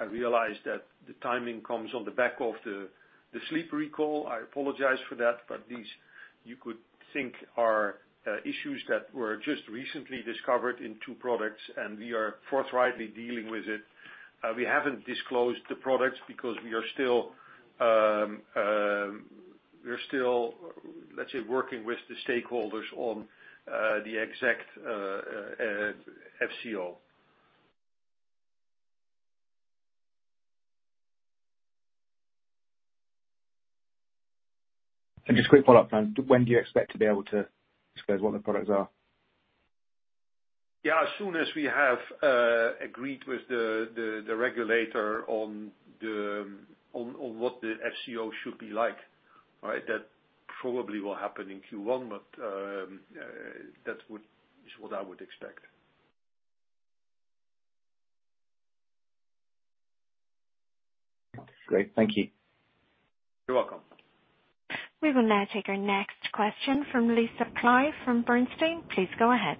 I realize that the timing comes on the back of the sleep recall. I apologize for that, but these, you could think, are issues that were just recently discovered in two products, and we are forthrightly dealing with it. We haven't disclosed the products because we're still, let's say, working with the stakeholders on the exact FCO. Just a quick follow-up, Frans. When do you expect to be able to disclose what the products are? Yeah, as soon as we have agreed with the regulator on what the FCO should be like, right? That probably will happen in Q1, but that is what I would expect. Great. Thank you. You're welcome. We will now take our next question from Lisa Clive from Bernstein. Please go ahead.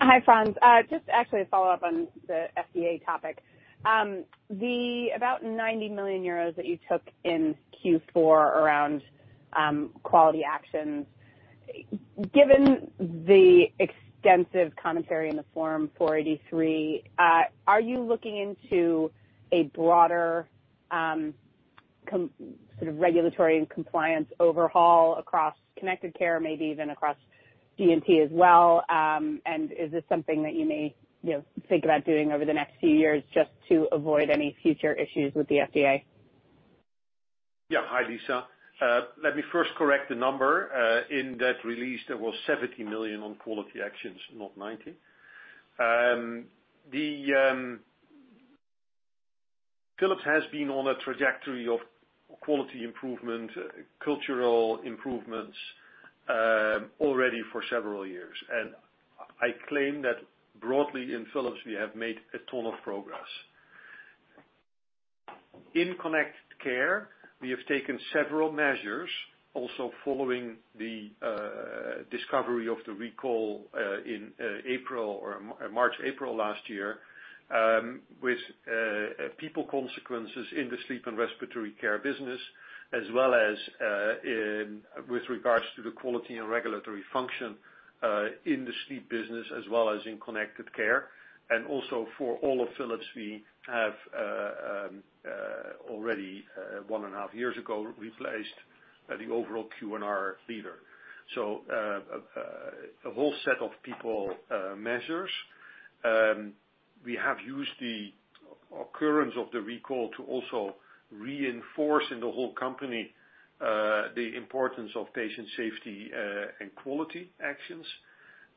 Hi, Frans. Just actually a follow-up on the FDA topic. The about 90 million euros that you took in Q4 around quality actions, given the extensive commentary in the Form 483, are you looking into a broader sort of regulatory and compliance overhaul across Connected Care, maybe even across D&T as well, and is this something that you may, you know, think about doing over the next few years just to avoid any future issues with the FDA? Yeah. Hi, Lisa. Let me first correct the number. In that release, there was 70 million on quality actions, not 90 million. Philips has been on a trajectory of quality improvement, cultural improvements already for several years. I claim that broadly in Philips, we have made a ton of progress. In Connected Care, we have taken several measures also following the discovery of the recall in March or April last year with people consequences in the sleep and respiratory care business, as well as with regards to the quality and regulatory function in the sleep business as well as in Connected Care. Also for all of Philips, we have already one and a half years ago replaced the overall Q&R leader. A whole set of personnel measures. We have used the occurrence of the recall to also reinforce in the whole company the importance of patient safety and quality actions.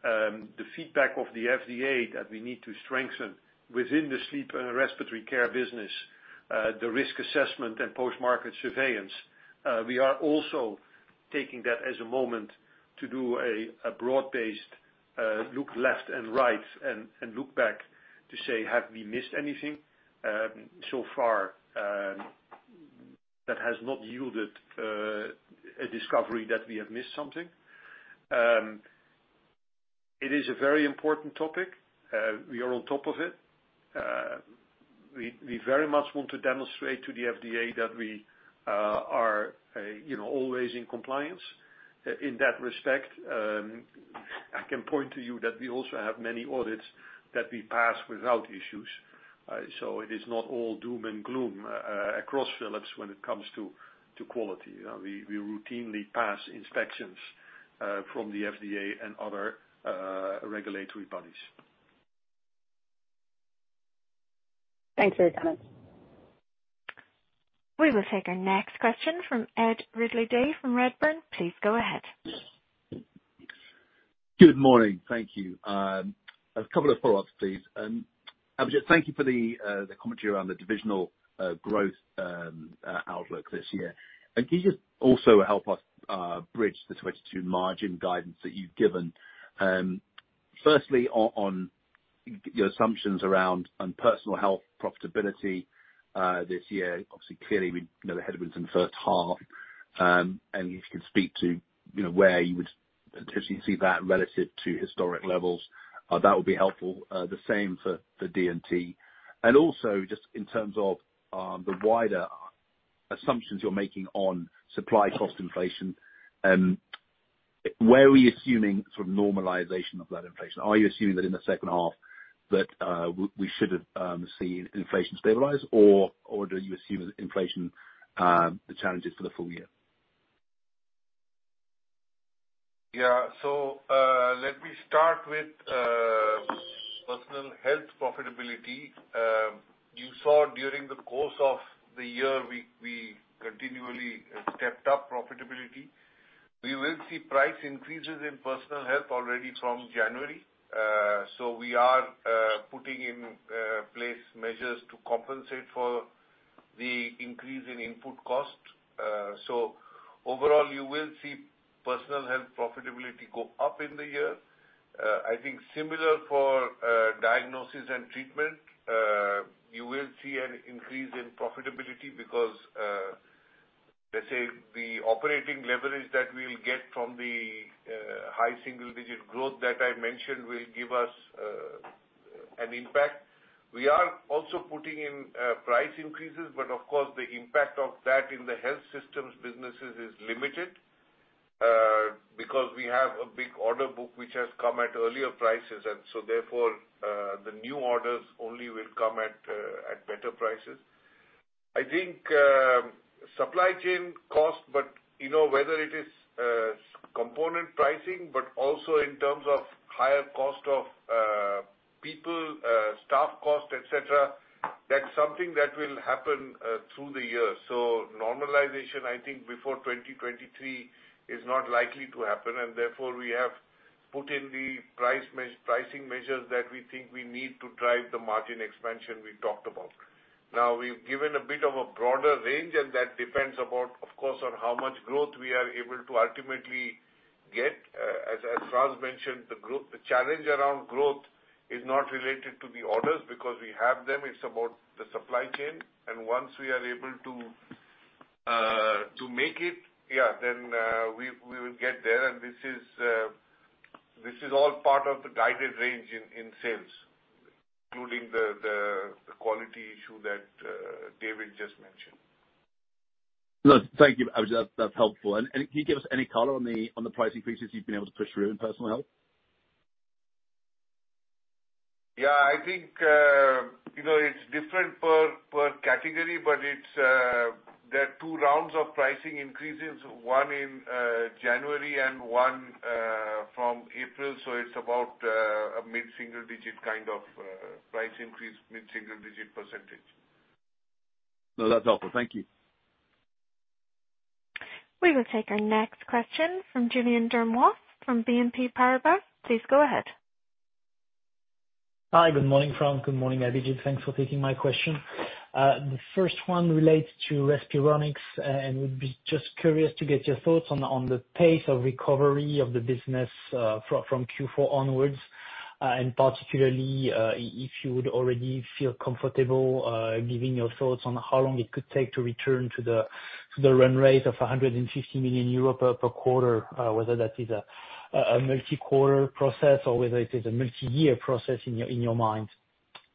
The feedback of the FDA that we need to strengthen within the sleep and respiratory care business the risk assessment and post-market surveillance. We are also taking that as a moment to do a broad-based look left and right and look back to say, "Have we missed anything?" So far, that has not yielded a discovery that we have missed something. It is a very important topic. We are on top of it. We very much want to demonstrate to the FDA that we are, you know, always in compliance. In that respect, I can point to you that we also have many audits that we pass without issues. It is not all doom and gloom across Philips when it comes to quality. We routinely pass inspections from the FDA and other regulatory bodies. Thanks for your time. We will take our next question from Ed Ridley-Day from Redburn. Please go ahead. Good morning. Thank you. A couple of follow-ups, please. Abhijit, thank you for the commentary around the divisional growth outlook this year. Can you just also help us bridge the 2022 margin guidance that you've given, firstly on your assumptions around Personal Health profitability this year? Obviously, clearly, we know the headwinds in the first half, and if you can speak to, you know, where you would potentially see that relative to historic levels, that would be helpful. The same for D&T. Also, just in terms of the wider assumptions you're making on supply cost inflation, where are we assuming sort of normalization of that inflation? Are you assuming that in the second half that we should see inflation stabilize, or do you assume that inflation challenges for the full year? Let me start with Personal Health profitability. You saw during the course of the year we continually stepped up profitability. We will see price increases in Personal Health already from January. We are putting in place measures to compensate for the increase in input cost. Overall, you will see Personal Health profitability go up in the year. I think similar for Diagnosis and Treatment, you will see an increase in profitability because, let's say, the operating leverage that we'll get from the high single digit growth that I mentioned will give us an impact. We are also putting in price increases, but of course, the impact of that in the health systems businesses is limited because we have a big order book which has come at earlier prices. Therefore, the new orders only will come at better prices. I think supply chain cost, but you know, whether it is component pricing, but also in terms of higher cost of people, staff cost, et cetera, that's something that will happen through the year. Normalization, I think before 2023 is not likely to happen, and therefore, we have put in the pricing measures that we think we need to drive the margin expansion we talked about. Now, we've given a bit of a broader range, and that depends on, of course, how much growth we are able to ultimately get. As Frans mentioned, the challenge around growth is not related to the orders because we have them, it's about the supply chain. Once we are able to make it, then we will get there. This is all part of the guidance range in sales, including the quality issue that David just mentioned. Look, thank you, Abhijit. That's helpful. Can you give us any color on the price increases you've been able to push through in Personal Health? Yeah, I think, you know, it's different per category, but there are two rounds of pricing increases, one in January and one from April. It's about a mid-single digit kind of price increase, mid-single digit percentage. No, that's helpful. Thank you. We will take our next question from Julien Dormois from BNP Paribas. Please go ahead. Hi, good morning, Frans, good morning, Abhijit. Thanks for taking my question. The first one relates to Respironics, and would be just curious to get your thoughts on the pace of recovery of the business from Q4 onwards, and particularly if you would already feel comfortable giving your thoughts on how long it could take to return to the run rate of 150 million euro per quarter, whether that is a multi-quarter process or whether it is a multi-year process in your mind.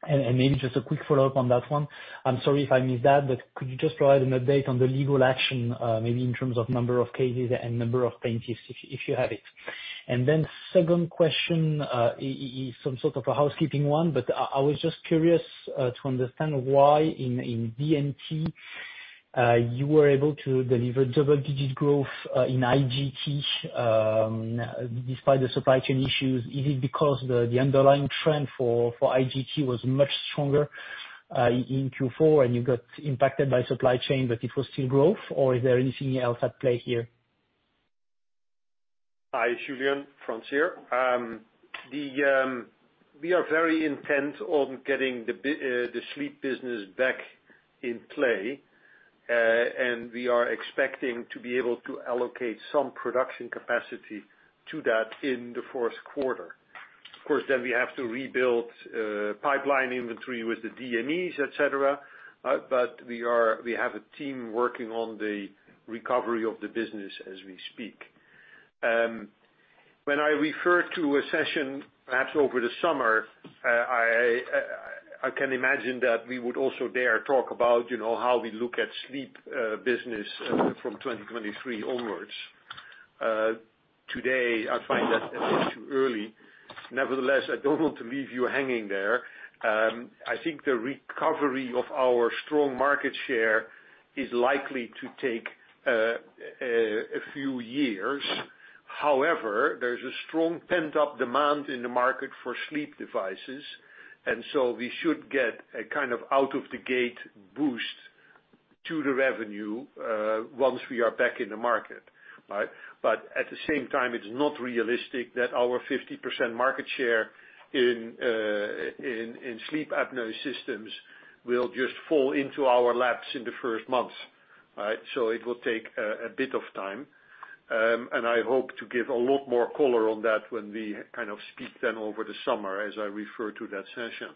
Maybe just a quick follow-up on that one. I'm sorry if I missed that, but could you just provide an update on the legal action, maybe in terms of number of cases and number of plaintiffs if you have it. Second question is some sort of a housekeeping one, but I was just curious to understand why in D&T you were able to deliver double-digit growth in IGT despite the supply chain issues. Is it because the underlying trend for IGT was much stronger in Q4 and you got impacted by supply chain, but it was still growth or is there anything else at play here? Hi, Julien, Frans here. We are very intent on getting the sleep business back in play, and we are expecting to be able to allocate some production capacity to that in the fourth quarter. Of course, then we have to rebuild pipeline inventory with the DMEs, et cetera, but we have a team working on the recovery of the business as we speak. When I refer to a session perhaps over the summer, I can imagine that we would also there talk about, you know, how we look at sleep business from 2023 onwards. Today, I find that a bit too early. Nevertheless, I don't want to leave you hanging there. I think the recovery of our strong market share is likely to take a few years. However, there's a strong pent-up demand in the market for sleep devices, and so we should get a kind of out-of-the-gate boost to the revenue once we are back in the market. All right? At the same time, it's not realistic that our 50% market share in sleep apnea systems will just fall into our laps in the first months. All right? It will take a bit of time. I hope to give a lot more color on that when we kind of speak then over the summer, as I refer to that session.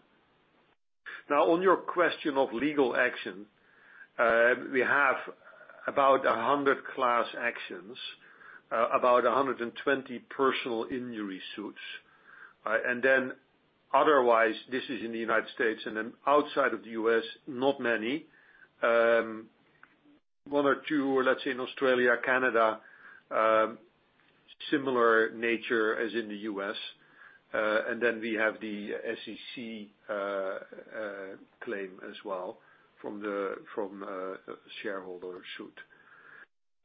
Now, on your question of legal action, we have about 100 class actions, about 120 personal injury suits. And then otherwise, this is in the United States and then outside of the U.S., not many. One or two, let's say in Australia, Canada, similar nature as in the U.S. That is the situation. Then we have the SEC claim as well from a shareholder suit.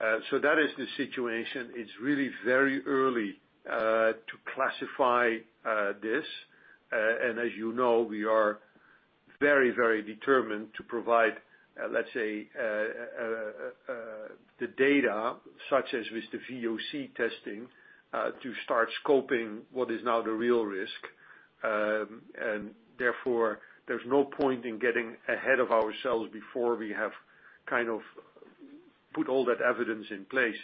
It is really very early to classify this, and as you know, we are very determined to provide, let's say, the data such as with the VOC testing to start scoping what is now the real risk. Therefore, there is no point in getting ahead of ourselves before we have kind of put all that evidence in place.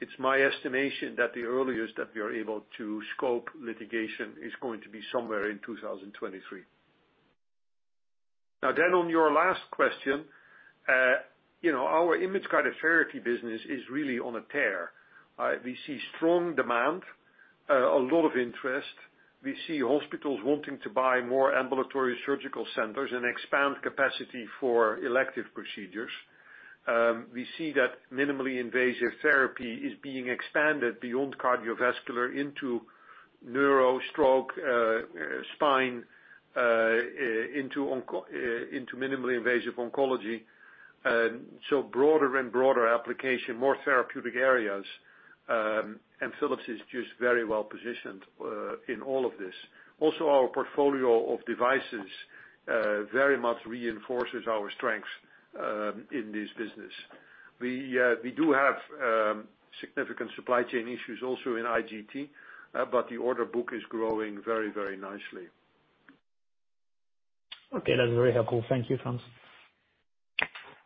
It is my estimation that the earliest that we are able to scope litigation is going to be somewhere in 2023. Now then on your last question, you know, our Image-Guided Therapy business is really on a tear. We see strong demand, a lot of interest. We see hospitals wanting to buy more ambulatory surgical centers and expand capacity for elective procedures. We see that minimally invasive therapy is being expanded beyond cardiovascular into neuro, stroke, spine, into minimally invasive oncology. Broader and broader application, more therapeutic areas, and Philips is just very well positioned in all of this. Also, our portfolio of devices very much reinforces our strengths in this business. We do have significant supply chain issues also in IGT, but the order book is growing very, very nicely. Okay. That's very helpful. Thank you, Frans.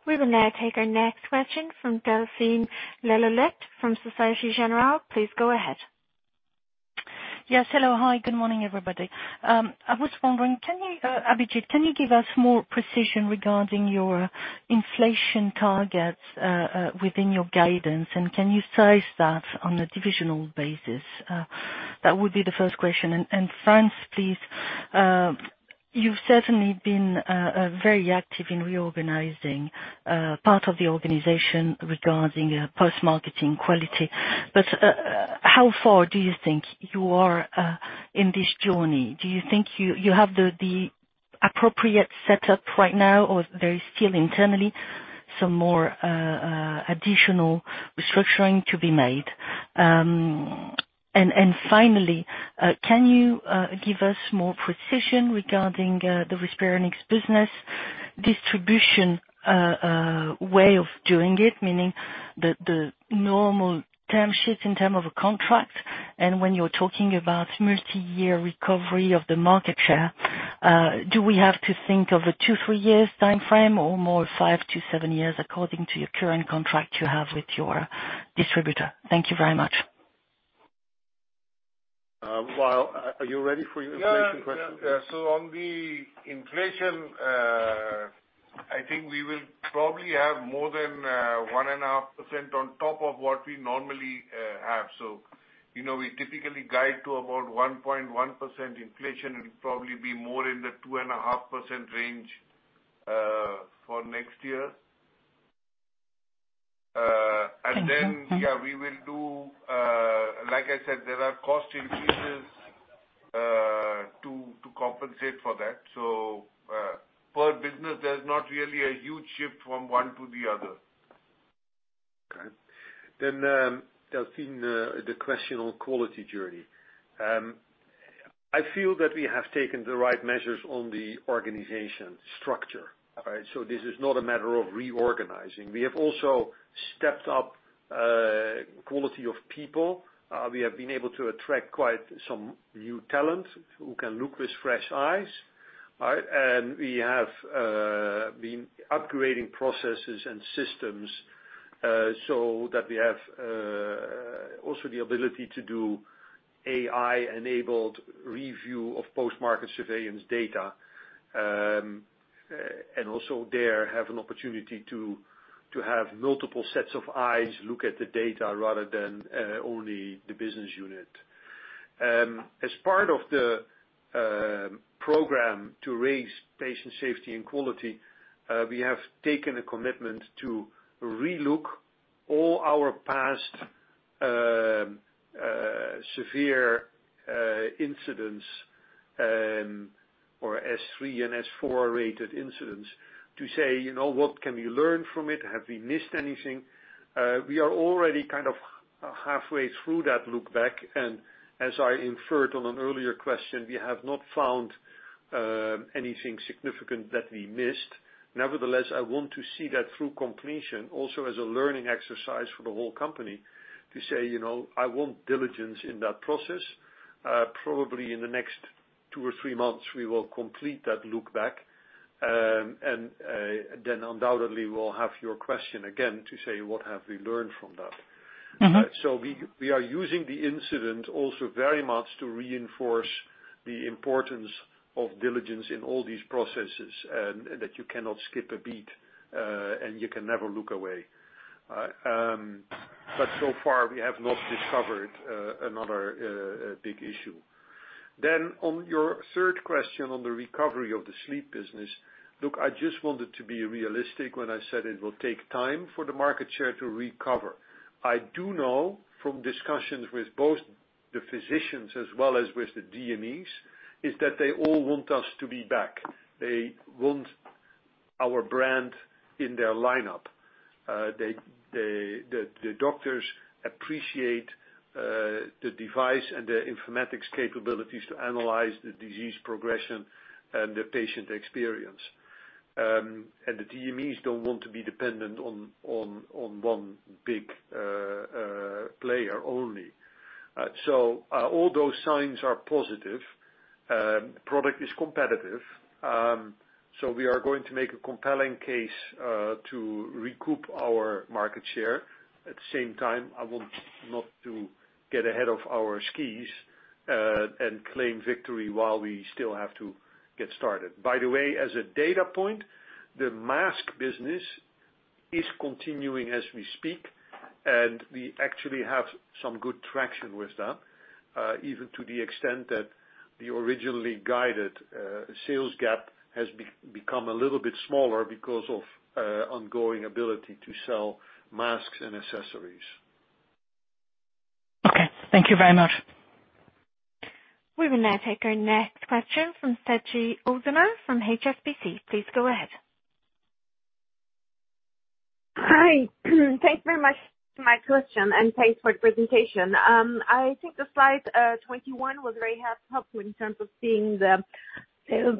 We will now take our next question from Delphine Le Louet from Société Générale. Please go ahead. Yes. Hello. Hi, good morning, everybody. I was wondering, can you, Abhijit, can you give us more precision regarding your inflation targets within your guidance, and can you size that on a divisional basis? That would be the first question. Frans, please, you've certainly been very active in reorganizing part of the organization regarding post-marketing quality. How far do you think you are in this journey? Do you think you have the appropriate setup right now, or there is still internally some more additional restructuring to be made? Finally, can you give us more precision regarding the Respironics business distribution way of doing it, meaning the normal term sheets in terms of a contract. When you're talking about multi-year recovery of the market share, do we have to think of a two-three years timeframe or more five-seven years according to your current contract you have with your distributor? Thank you very much. Wael, are you ready for your inflation question? Yeah. On the inflation, I think we will probably have more than 1.5% on top of what we normally have. You know, we typically guide to about 1.1% inflation. It'll probably be more in the 2.5% range for next year. Like I said, there are cost increases to compensate for that. Per business, there's not really a huge shift from one to the other. Okay. Delphine, the question on quality journey. I feel that we have taken the right measures on the organization structure. All right? This is not a matter of reorganizing. We have also stepped up quality of people. We have been able to attract quite some new talent who can look with fresh eyes. All right? We have been upgrading processes and systems so that we have also the ability to do AI-enabled review of post-market surveillance data. Also we have an opportunity to have multiple sets of eyes look at the data rather than only the business unit. As part of the program to raise patient safety and quality, we have taken a commitment to relook all our past severe incidents or S3 and S4-rated incidents to say, you know, what can we learn from it? Have we missed anything? We are already kind of halfway through that look-back, and as I inferred on an earlier question, we have not found anything significant that we missed. Nevertheless, I want to see that through completion, also as a learning exercise for the whole company to say, you know, "I want diligence in that process." Probably in the next two or three months, we will complete that look-back, and then undoubtedly we'll have your question again to say, what have we learned from that? Mm-hmm. We are using the incident also very much to reinforce the importance of diligence in all these processes and that you cannot skip a beat, and you can never look away. We have not discovered another big issue. On your third question on the recovery of the sleep business, look, I just wanted to be realistic when I said it will take time for the market share to recover. I do know from discussions with both the physicians as well as with the DMEs, is that they all want us to be back. They want our brand in their lineup. They appreciate the device and the informatics capabilities to analyze the disease progression and the patient experience. The DMEs don't want to be dependent on one big player only. All those signs are positive. Product is competitive. We are going to make a compelling case to recoup our market share. At the same time, I want not to get ahead of our skis and claim victory while we still have to get started. By the way, as a data point, the mask business is continuing as we speak, and we actually have some good traction with that, even to the extent that the originally guided sales gap has become a little bit smaller because of ongoing ability to sell masks and accessories. Okay. Thank you very much. We will now take our next question from Sezgi Oezener from HSBC. Please go ahead. Hi. Thanks very much for my question, and thanks for the presentation. I think the slide 21 was very helpful in terms of seeing the sales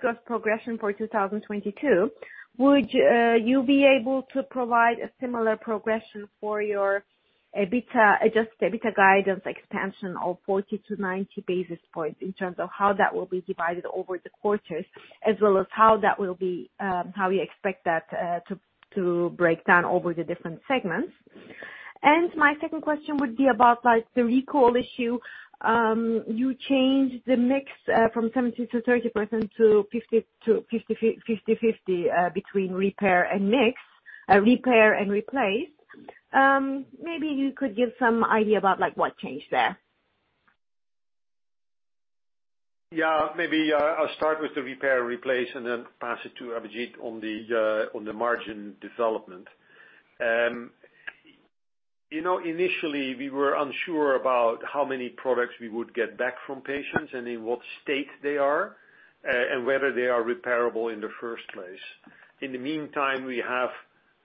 growth progression for 2022. Would you be able to provide a similar progression for your EBITDA, adjusted EBITDA guidance expansion of 40-90 basis points in terms of how that will be divided over the quarters as well as how you expect that to break down over the different segments? My second question would be about, like, the recall issue. You changed the mix from 70%-30% to 50/50 between repair and replace. Maybe you could give some idea about, like, what changed there. Yeah, maybe I'll start with the repair and replace and then pass it to Abhijit on the margin development. You know, initially, we were unsure about how many products we would get back from patients and in what state they are and whether they are repairable in the first place. In the meantime, we have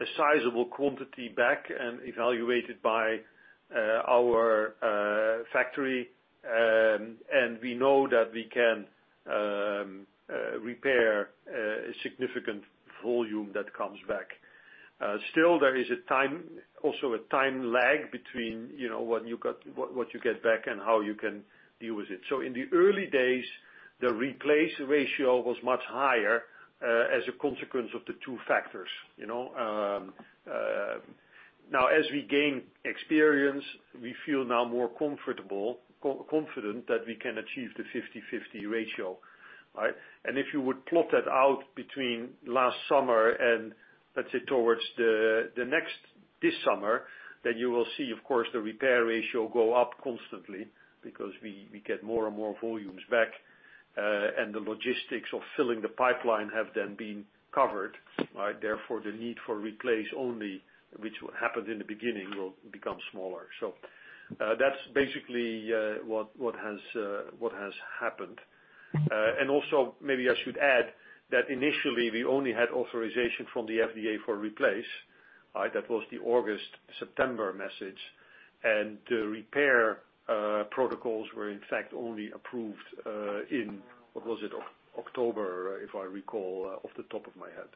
a sizable quantity back and evaluated by our factory. We know that we can repair a significant volume that comes back. Still, there is also a time lag between, you know, what you get back and how you can deal with it. In the early days, the replace ratio was much higher as a consequence of the two factors, you know. Now, as we gain experience, we feel more confident that we can achieve the 50/50 ratio, all right? If you would plot that out between last summer and, let's say, towards this summer, then you will see, of course, the repair ratio go up constantly because we get more and more volumes back, and the logistics of filling the pipeline have then been covered, right? Therefore, the need for replace only, which happened in the beginning, will become smaller. That's basically what has happened. Also, maybe I should add that initially, we only had authorization from the FDA for replace, that was the August-September message. The repair protocols were in fact only approved in what was it? October, if I recall, off the top of my head.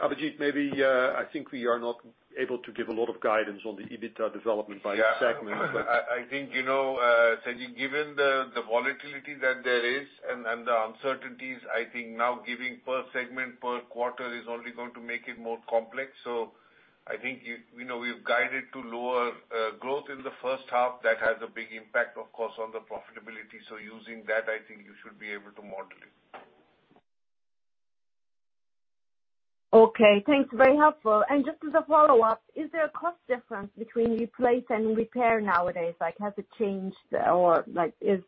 Abhijit, maybe, I think we are not able to give a lot of guidance on the EBITDA development by segment, but- Yeah. I think, you know, Sezgi, given the volatility that there is and the uncertainties, I think now giving per segment per quarter is only going to make it more complex. I think, we know we've guided to lower growth in the first half. That has a big impact, of course, on the profitability. Using that, I think you should be able to model it. Okay, thanks. Very helpful. Just as a follow-up, is there a cost difference between replace and repair nowadays? Like, has it changed? Or like, is.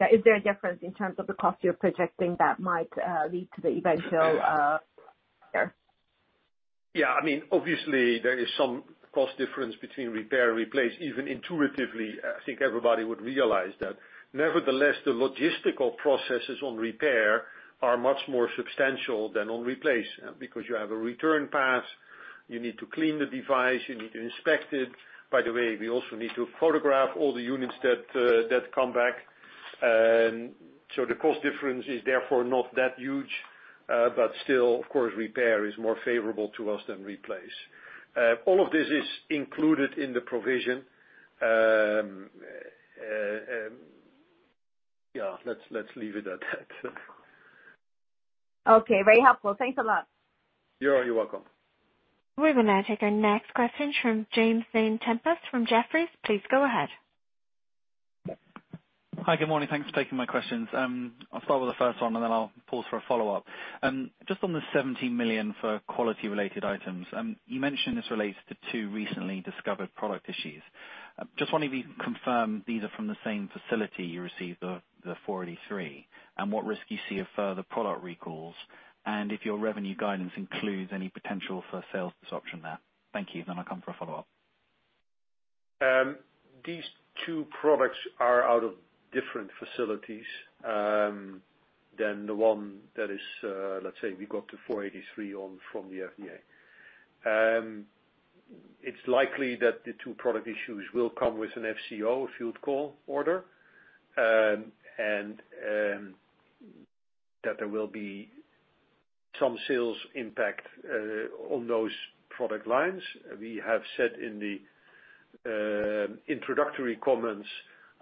Yeah, is there a difference in terms of the cost you're projecting that might lead to the eventual repair? Yeah. I mean, obviously there is some cost difference between repair and replace. Even intuitively, I think everybody would realize that. Nevertheless, the logistical processes on repair are much more substantial than on replace, because you have a return path, you need to clean the device, you need to inspect it. By the way, we also need to photograph all the units that come back. So the cost difference is therefore not that huge. But still, of course, repair is more favorable to us than replace. All of this is included in the provision. Yeah, let's leave it at that. Okay, very helpful. Thanks a lot. You're welcome. We're gonna take our next question from James Vane-Tempest from Jefferies. Please go ahead. Hi, good morning. Thanks for taking my questions. I'll start with the first one, and then I'll pause for a follow-up. Just on the 70 million for quality-related items, you mentioned this relates to two recently discovered product issues. Just wondering if you can confirm these are from the same facility you received the Form 483, and what risk you see of further product recalls, and if your revenue guidance includes any potential for sales disruption there. Thank you. I'll come for a follow-up. These two products are out of different facilities than the one that is, let's say we got the Form 483 on from the FDA. It's likely that the two product issues will come with an FCO, a field call order, and that there will be some sales impact on those product lines. We have said in the introductory comments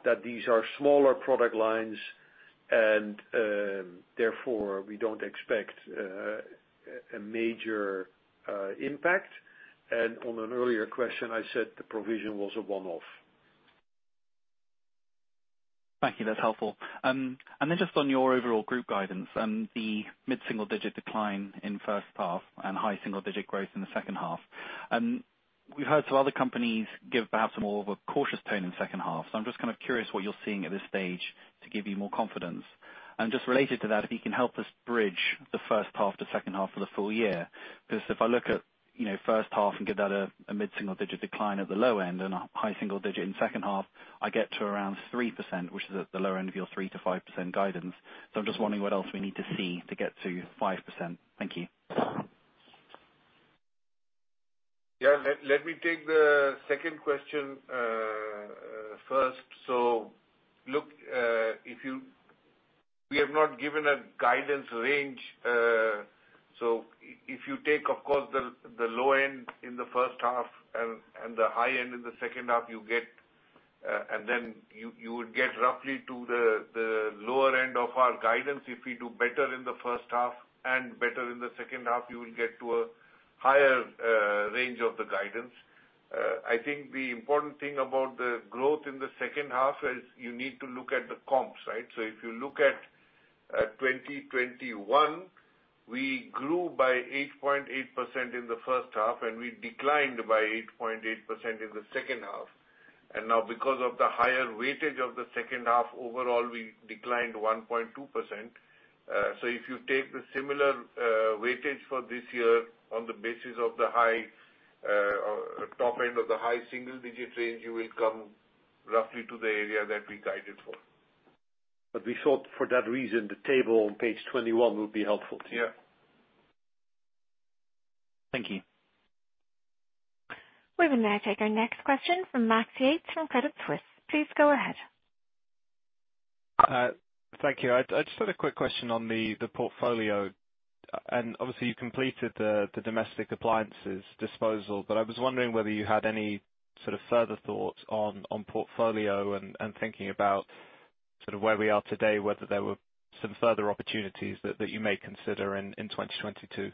that these are smaller product lines and therefore we don't expect a major impact. On an earlier question, I said the provision was a one-off. Thank you. That's helpful. Just on your overall group guidance and the mid-single-digit decline in first half and high single-digit growth in the second half, we've heard some other companies give perhaps more of a cautious tone in second half. I'm just kind of curious what you're seeing at this stage to give you more confidence. Just related to that, if you can help us bridge the first half to second half of the full year. Because if I look at, you know, first half and give that a mid-single digit decline at the low end and a high single digit in second half, I get to around 3%, which is at the lower end of your 3%-5% guidance. I'm just wondering what else we need to see to get to 5%. Thank you. Let me take the second question first. Look, we have not given a guidance range, so if you take, of course, the low end in the first half and the high end in the second half, you would get roughly to the lower end of our guidance. If we do better in the first half and better in the second half, you will get to a higher range of the guidance. I think the important thing about the growth in the second half is you need to look at the comps, right? If you look at 2021, we grew by 8.8% in the first half, and we declined by 8.8% in the second half. Now because of the higher weightage of the second half, overall, we declined 1.2%. So if you take the similar weightage for this year on the basis of the high top end of the high single-digit range, you will come roughly to the area that we guided for. We thought for that reason, the table on page 21 would be helpful to you. Yeah. Thank you. We will now take our next question from Max Yates from Credit Suisse. Please go ahead. Thank you. I just had a quick question on the portfolio. Obviously, you completed the domestic appliances disposal, but I was wondering whether you had any sort of further thoughts on portfolio and thinking about sort of where we are today, whether there were some further opportunities that you may consider in 2022.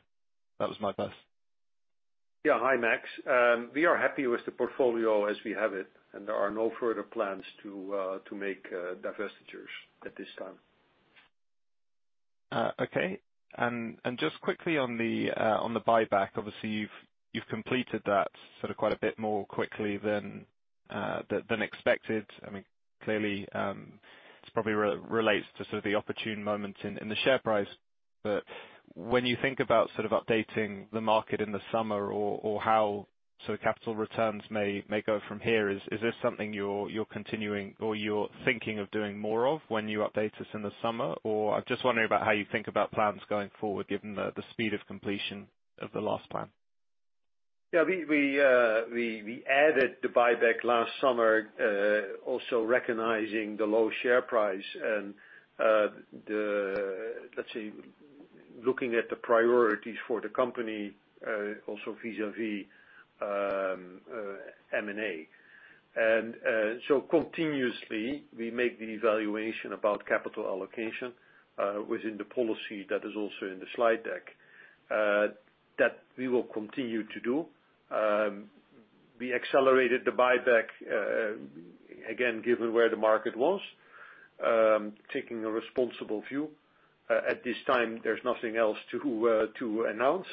That was my first. Yeah. Hi, Max. We are happy with the portfolio as we have it, and there are no further plans to make divestitures at this time. Okay. Just quickly on the buyback, obviously, you've completed that sort of quite a bit more quickly than expected. I mean, clearly, this probably relates to sort of the opportune moment in the share price. When you think about sort of updating the market in the summer or how sort of capital returns may go from here, is this something you're continuing or you're thinking of doing more of when you update us in the summer? I'm just wondering about how you think about plans going forward, given the speed of completion of the last plan. We added the buyback last summer, also recognizing the low share price and, let's say, looking at the priorities for the company, also vis-à-vis M&A. Continuously, we make the evaluation about capital allocation within the policy that is also in the slide deck. That we will continue to do. We accelerated the buyback again, given where the market was, taking a responsible view. At this time, there's nothing else to announce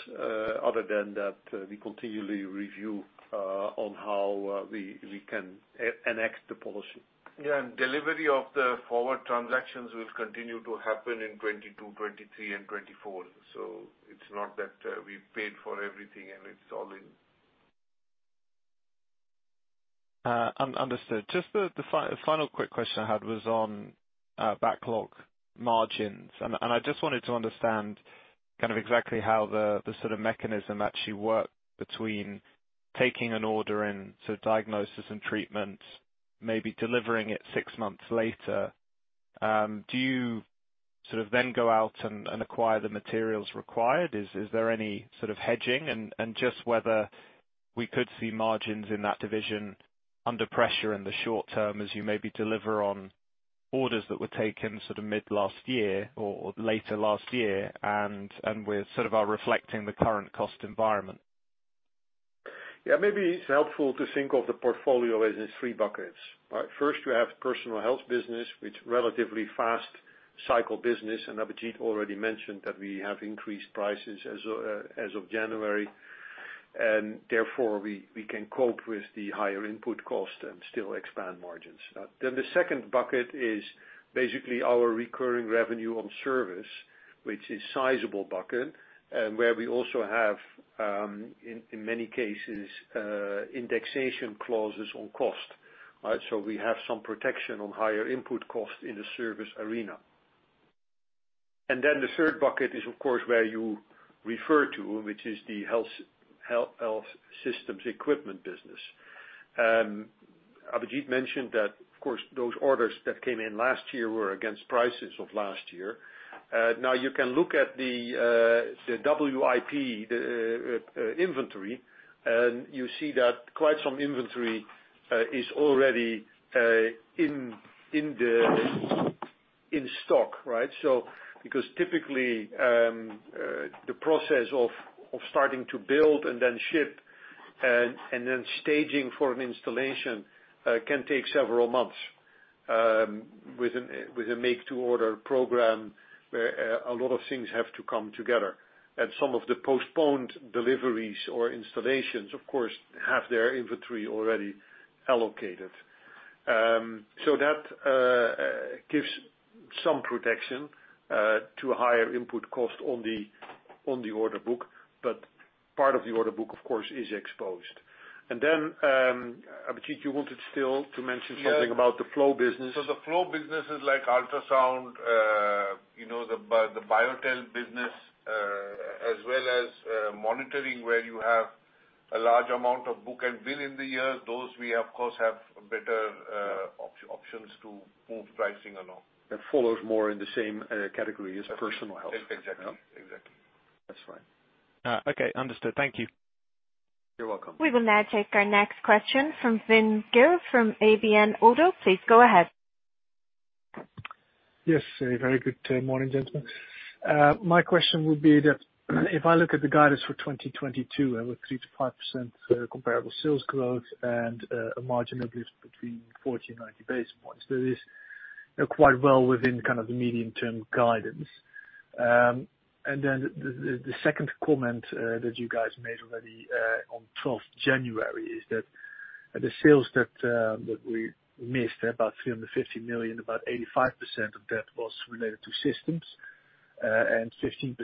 other than that we continually review on how we can expand the policy. Yeah. Delivery of the forward transactions will continue to happen in 2022, 2023 and 2024. It's not that, we paid for everything and it's all in. Understood. Just the final quick question I had was on backlog margins. I just wanted to understand kind of exactly how the sort of mechanism actually worked between taking an order and sort of diagnosis and treatment, maybe delivering it six months later. Do you sort of then go out and acquire the materials required? Is there any sort of hedging? Just whether we could see margins in that division under pressure in the short term as you maybe deliver on orders that were taken sort of mid last year or later last year and we're sort of reflecting the current cost environment. Yeah, maybe it's helpful to think of the portfolio as in three buckets. First, we have personal health business, which relatively fast cycle business, and Abhijit already mentioned that we have increased prices as of January. Therefore, we can cope with the higher input cost and still expand margins. Then the second bucket is basically our recurring revenue on service, which is sizable bucket, and where we also have, in many cases, indexation clauses on cost. All right? We have some protection on higher input costs in the service arena. Then the third bucket is of course where you refer to, which is the health systems equipment business. Abhijit mentioned that, of course, those orders that came in last year were against prices of last year. Now you can look at the WIP inventory, and you see that quite some inventory is already in stock, right? Because typically the process of starting to build and then ship and then staging for an installation can take several months within a make-to-order program where a lot of things have to come together. Some of the postponed deliveries or installations, of course, have their inventory already allocated. That gives some protection to higher input cost on the order book, but part of the order book, of course, is exposed. Abhijit, you wanted still to mention something. Yeah. about the flow business. The flow business is like ultrasound, you know, the BioTelemetry business, as well as monitoring where you have a large amount of book and bill in the year. Those we of course have better options to move pricing along. That follows more in the same category as personal health. Exactly. Exactly. That's right. Okay. Understood. Thank you. You're welcome. We will now take our next question from Wim Gille from ABN AMRO. Please go ahead. Yes. A very good morning, gentlemen. My question would be that if I look at the guidance for 2022, with 3%-5% comparable sales growth and a margin uplift between 40 and 90 basis points, that is, you know, quite well within kind of the medium-term guidance. Then the second comment that you guys made already on 12 January is that the sales that we missed, about 350 million, about 85% of that was related to systems, and 15%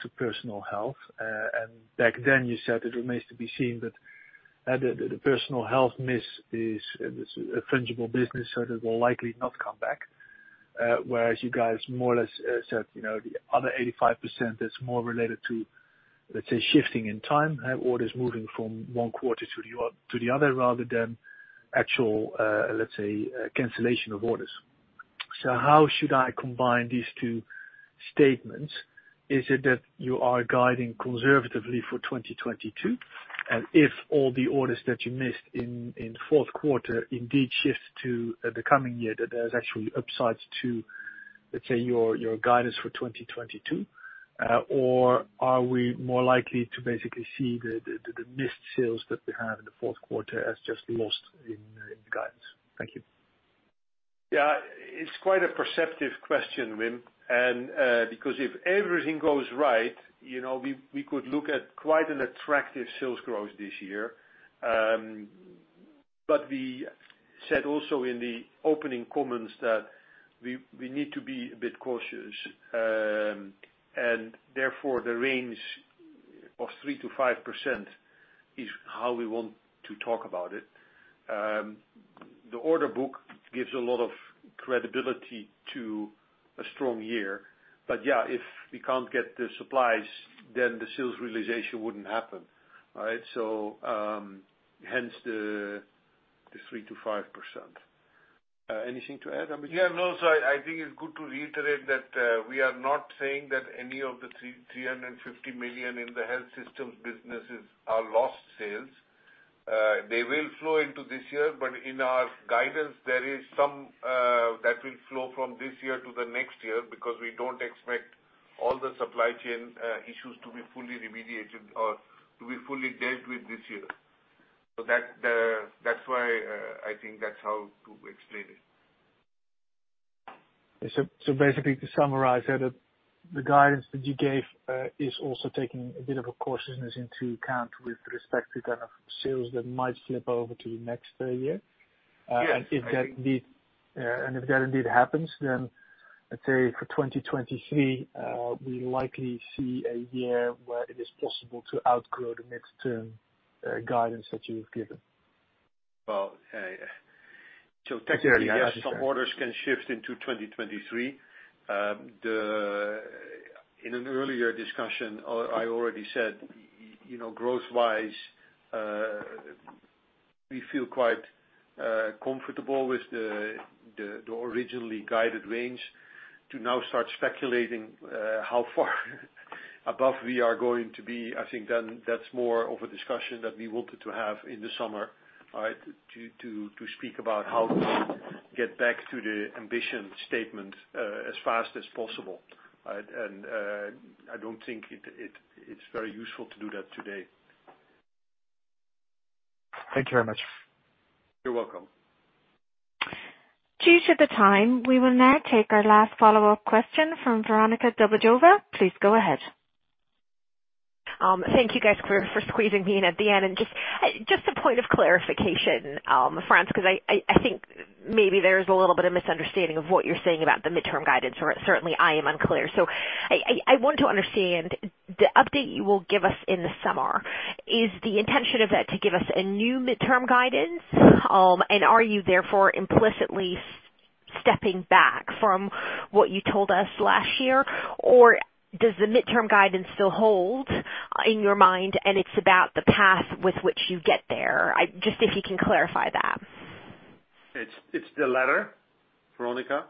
to personal health. And back then you said it remains to be seen, but the personal health miss is a fungible business, so that will likely not come back. Whereas you guys more or less said, you know, the other 85% is more related to, let's say, shifting in time, orders moving from one quarter to the other rather than actual, let's say, cancellation of orders. How should I combine these two statements? Is it that you are guiding conservatively for 2022? If all the orders that you missed in fourth quarter indeed shift to the coming year, that there's actually upsides to, let's say, your guidance for 2022? Or are we more likely to basically see the missed sales that we have in the fourth quarter as just lost in the guidance? Thank you. Yeah. It's quite a perceptive question, Wim. Because if everything goes right, you know, we could look at quite an attractive sales growth this year. We said also in the opening comments that we need to be a bit cautious. Therefore, the range of 3%-5% is how we want to talk about it. The order book gives a lot of credibility to a strong year. Yeah, if we can't get the supplies, then the sales realization wouldn't happen, right? Hence the 3%-5%. Anything to add, Abhijit? Yeah, no. I think it's good to reiterate that we are not saying that any of the 350 million in the health systems businesses are lost sales. They will flow into this year, but in our guidance, there is some that will flow from this year to the next year, because we don't expect all the supply chain issues to be fully remediated or to be fully dealt with this year. That's why I think that's how to explain it. Basically to summarize, yeah, the guidance that you gave is also taking a bit of a cautiousness into account with respect to kind of sales that might flip over to next year. Yes. If that indeed happens, then let's say for 2023, we likely see a year where it is possible to outgrow the mid-term guidance that you have given. Well, technically, yes, some orders can shift into 2023. In an earlier discussion, I already said, you know, growth-wise, we feel quite comfortable with the originally guided range. To now start speculating how far above we are going to be, I think that's more of a discussion that we wanted to have in the summer, all right? To speak about how we get back to the ambition statement as fast as possible, all right? I don't think it's very useful to do that today. Thank you very much. You're welcome. Due to the time, we will now take our last follow-up question from Veronika Dubajova. Please go ahead. Thank you guys for squeezing me in at the end. Just a point of clarification, Frans, 'cause I think maybe there's a little bit of misunderstanding of what you're saying about the midterm guidance, or certainly I am unclear. I want to understand, the update you will give us in the summer, is the intention of that to give us a new midterm guidance? Are you therefore implicitly stepping back from what you told us last year? Or does the midterm guidance still hold in your mind and it's about the path with which you get there? Just if you can clarify that. It's the latter, Veronika.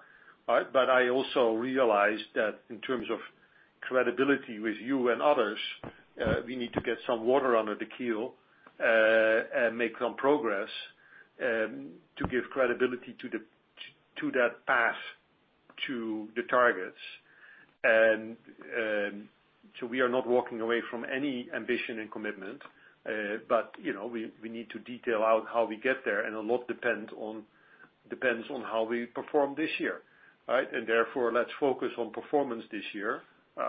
All right? I also realize that in terms of credibility with you and others, we need to get some water under the keel, and make some progress to give credibility to that path to the targets. We are not walking away from any ambition and commitment. You know, we need to detail out how we get there, and a lot depends on how we perform this year, right? Therefore, let's focus on performance this year,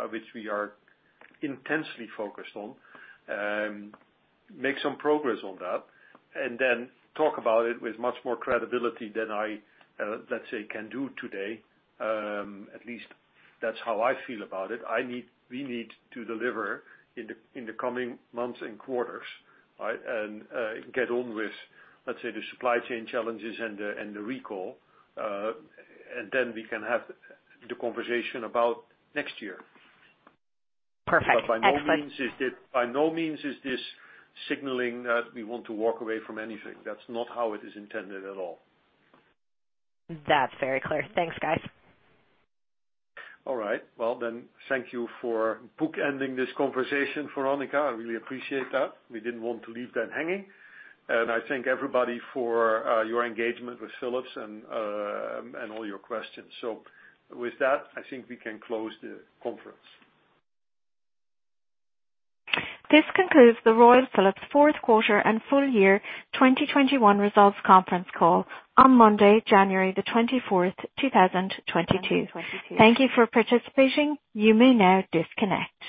which we are intensely focused on. Make some progress on that, and then talk about it with much more credibility than I, let's say, can do today. At least that's how I feel about it. We need to deliver in the coming months and quarters, all right? Get on with, let's say, the supply chain challenges and the recall, and then we can have the conversation about next year. Perfect. Excellent. By no means is it, by no means is this signaling that we want to walk away from anything. That's not how it is intended at all. That's very clear. Thanks, guys. All right. Well, then, thank you for bookending this conversation, Veronika. I really appreciate that. We didn't want to leave that hanging. I thank everybody for your engagement with Philips and all your questions. With that, I think we can close the conference. This concludes the Royal Philips fourth quarter and full year 2021 results conference call on Monday, January 24, 2022. Thank you for participating. You may now disconnect.